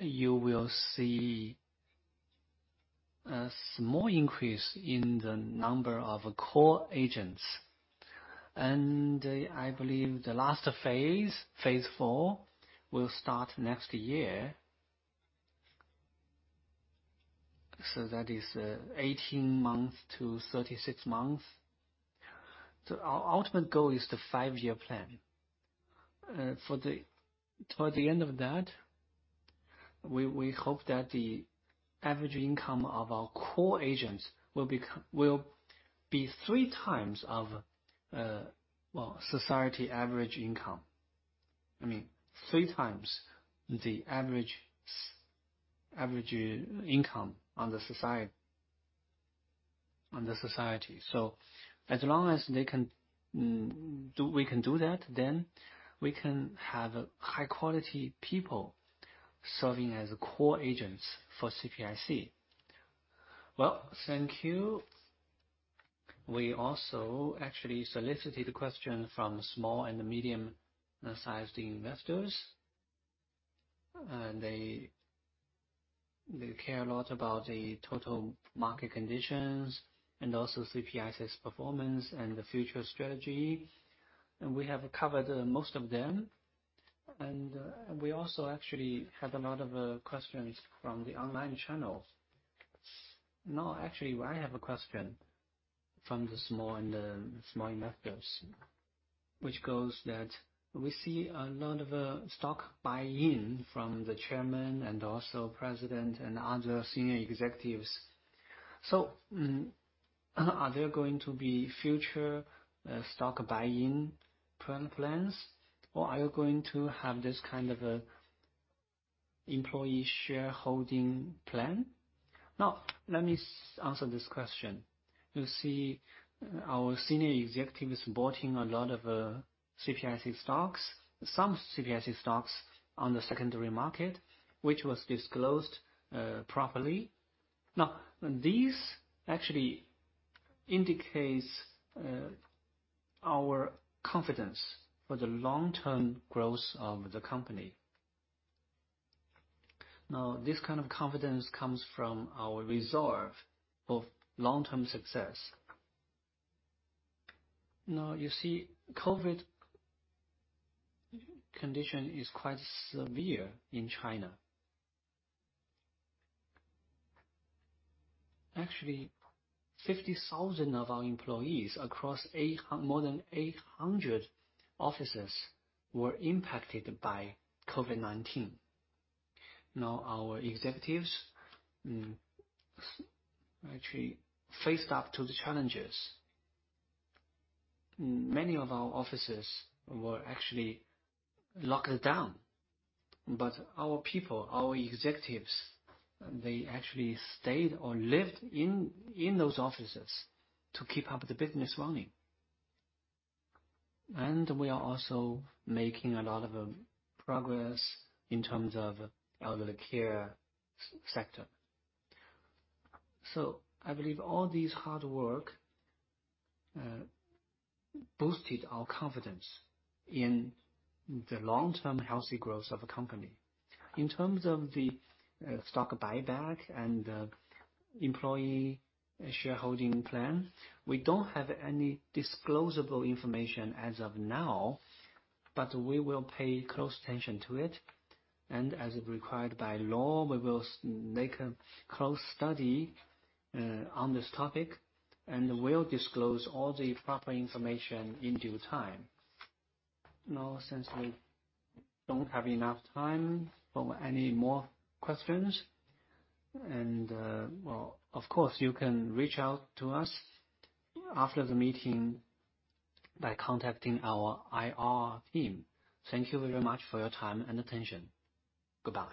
you will see a small increase in the number of core agents. I believe the last phase IV, will start next year. That is, 18 months to 36 months. Our ultimate goal is the five-year plan. Towards the end of that, we hope that the average income of our core agents will be 3x the society average income. I mean, 3x the average income on the society. As long as we can do that, then we can have high quality people serving as core agents for CPIC. Well, thank you. We also actually solicited questions from small and medium-sized investors. They care a lot about the total market conditions and also CPIC's performance and the future strategy. We have covered most of them. We also actually had a lot of questions from the online channels. Actually, I have a question from the small investors, which goes that we see a lot of stock buy-in from the chairman and also president and other senior executives. Are there going to be future stock buy-in plans, or are you going to have this kind of a employee shareholding plan? Let me answer this question. You see, our senior executives buying a lot of CPIC stocks on the secondary market, which was disclosed properly. These actually indicates our confidence for the long-term growth of the company. This kind of confidence comes from our resolve of long-term success. You see, COVID condition is quite severe in China. Actually, 50,000 of our employees across more than 800 offices were impacted by COVID-19. Now, our executives actually faced up to the challenges. Many of our offices were actually locked down. Our people, our executives, they actually stayed or lived in those offices to keep up the business running. We are also making a lot of progress in terms of elderly care sector. I believe all this hard work boosted our confidence in the long-term healthy growth of the company. In terms of the stock buyback and employee shareholding plan, we don't have any disclosable information as of now, but we will pay close attention to it. As required by law, we will make a close study on this topic, and we'll disclose all the proper information in due time. Now, since we don't have enough time for any more questions, and, well, of course, you can reach out to us after the meeting by contacting our IR team. Thank you very much for your time and attention. Goodbye.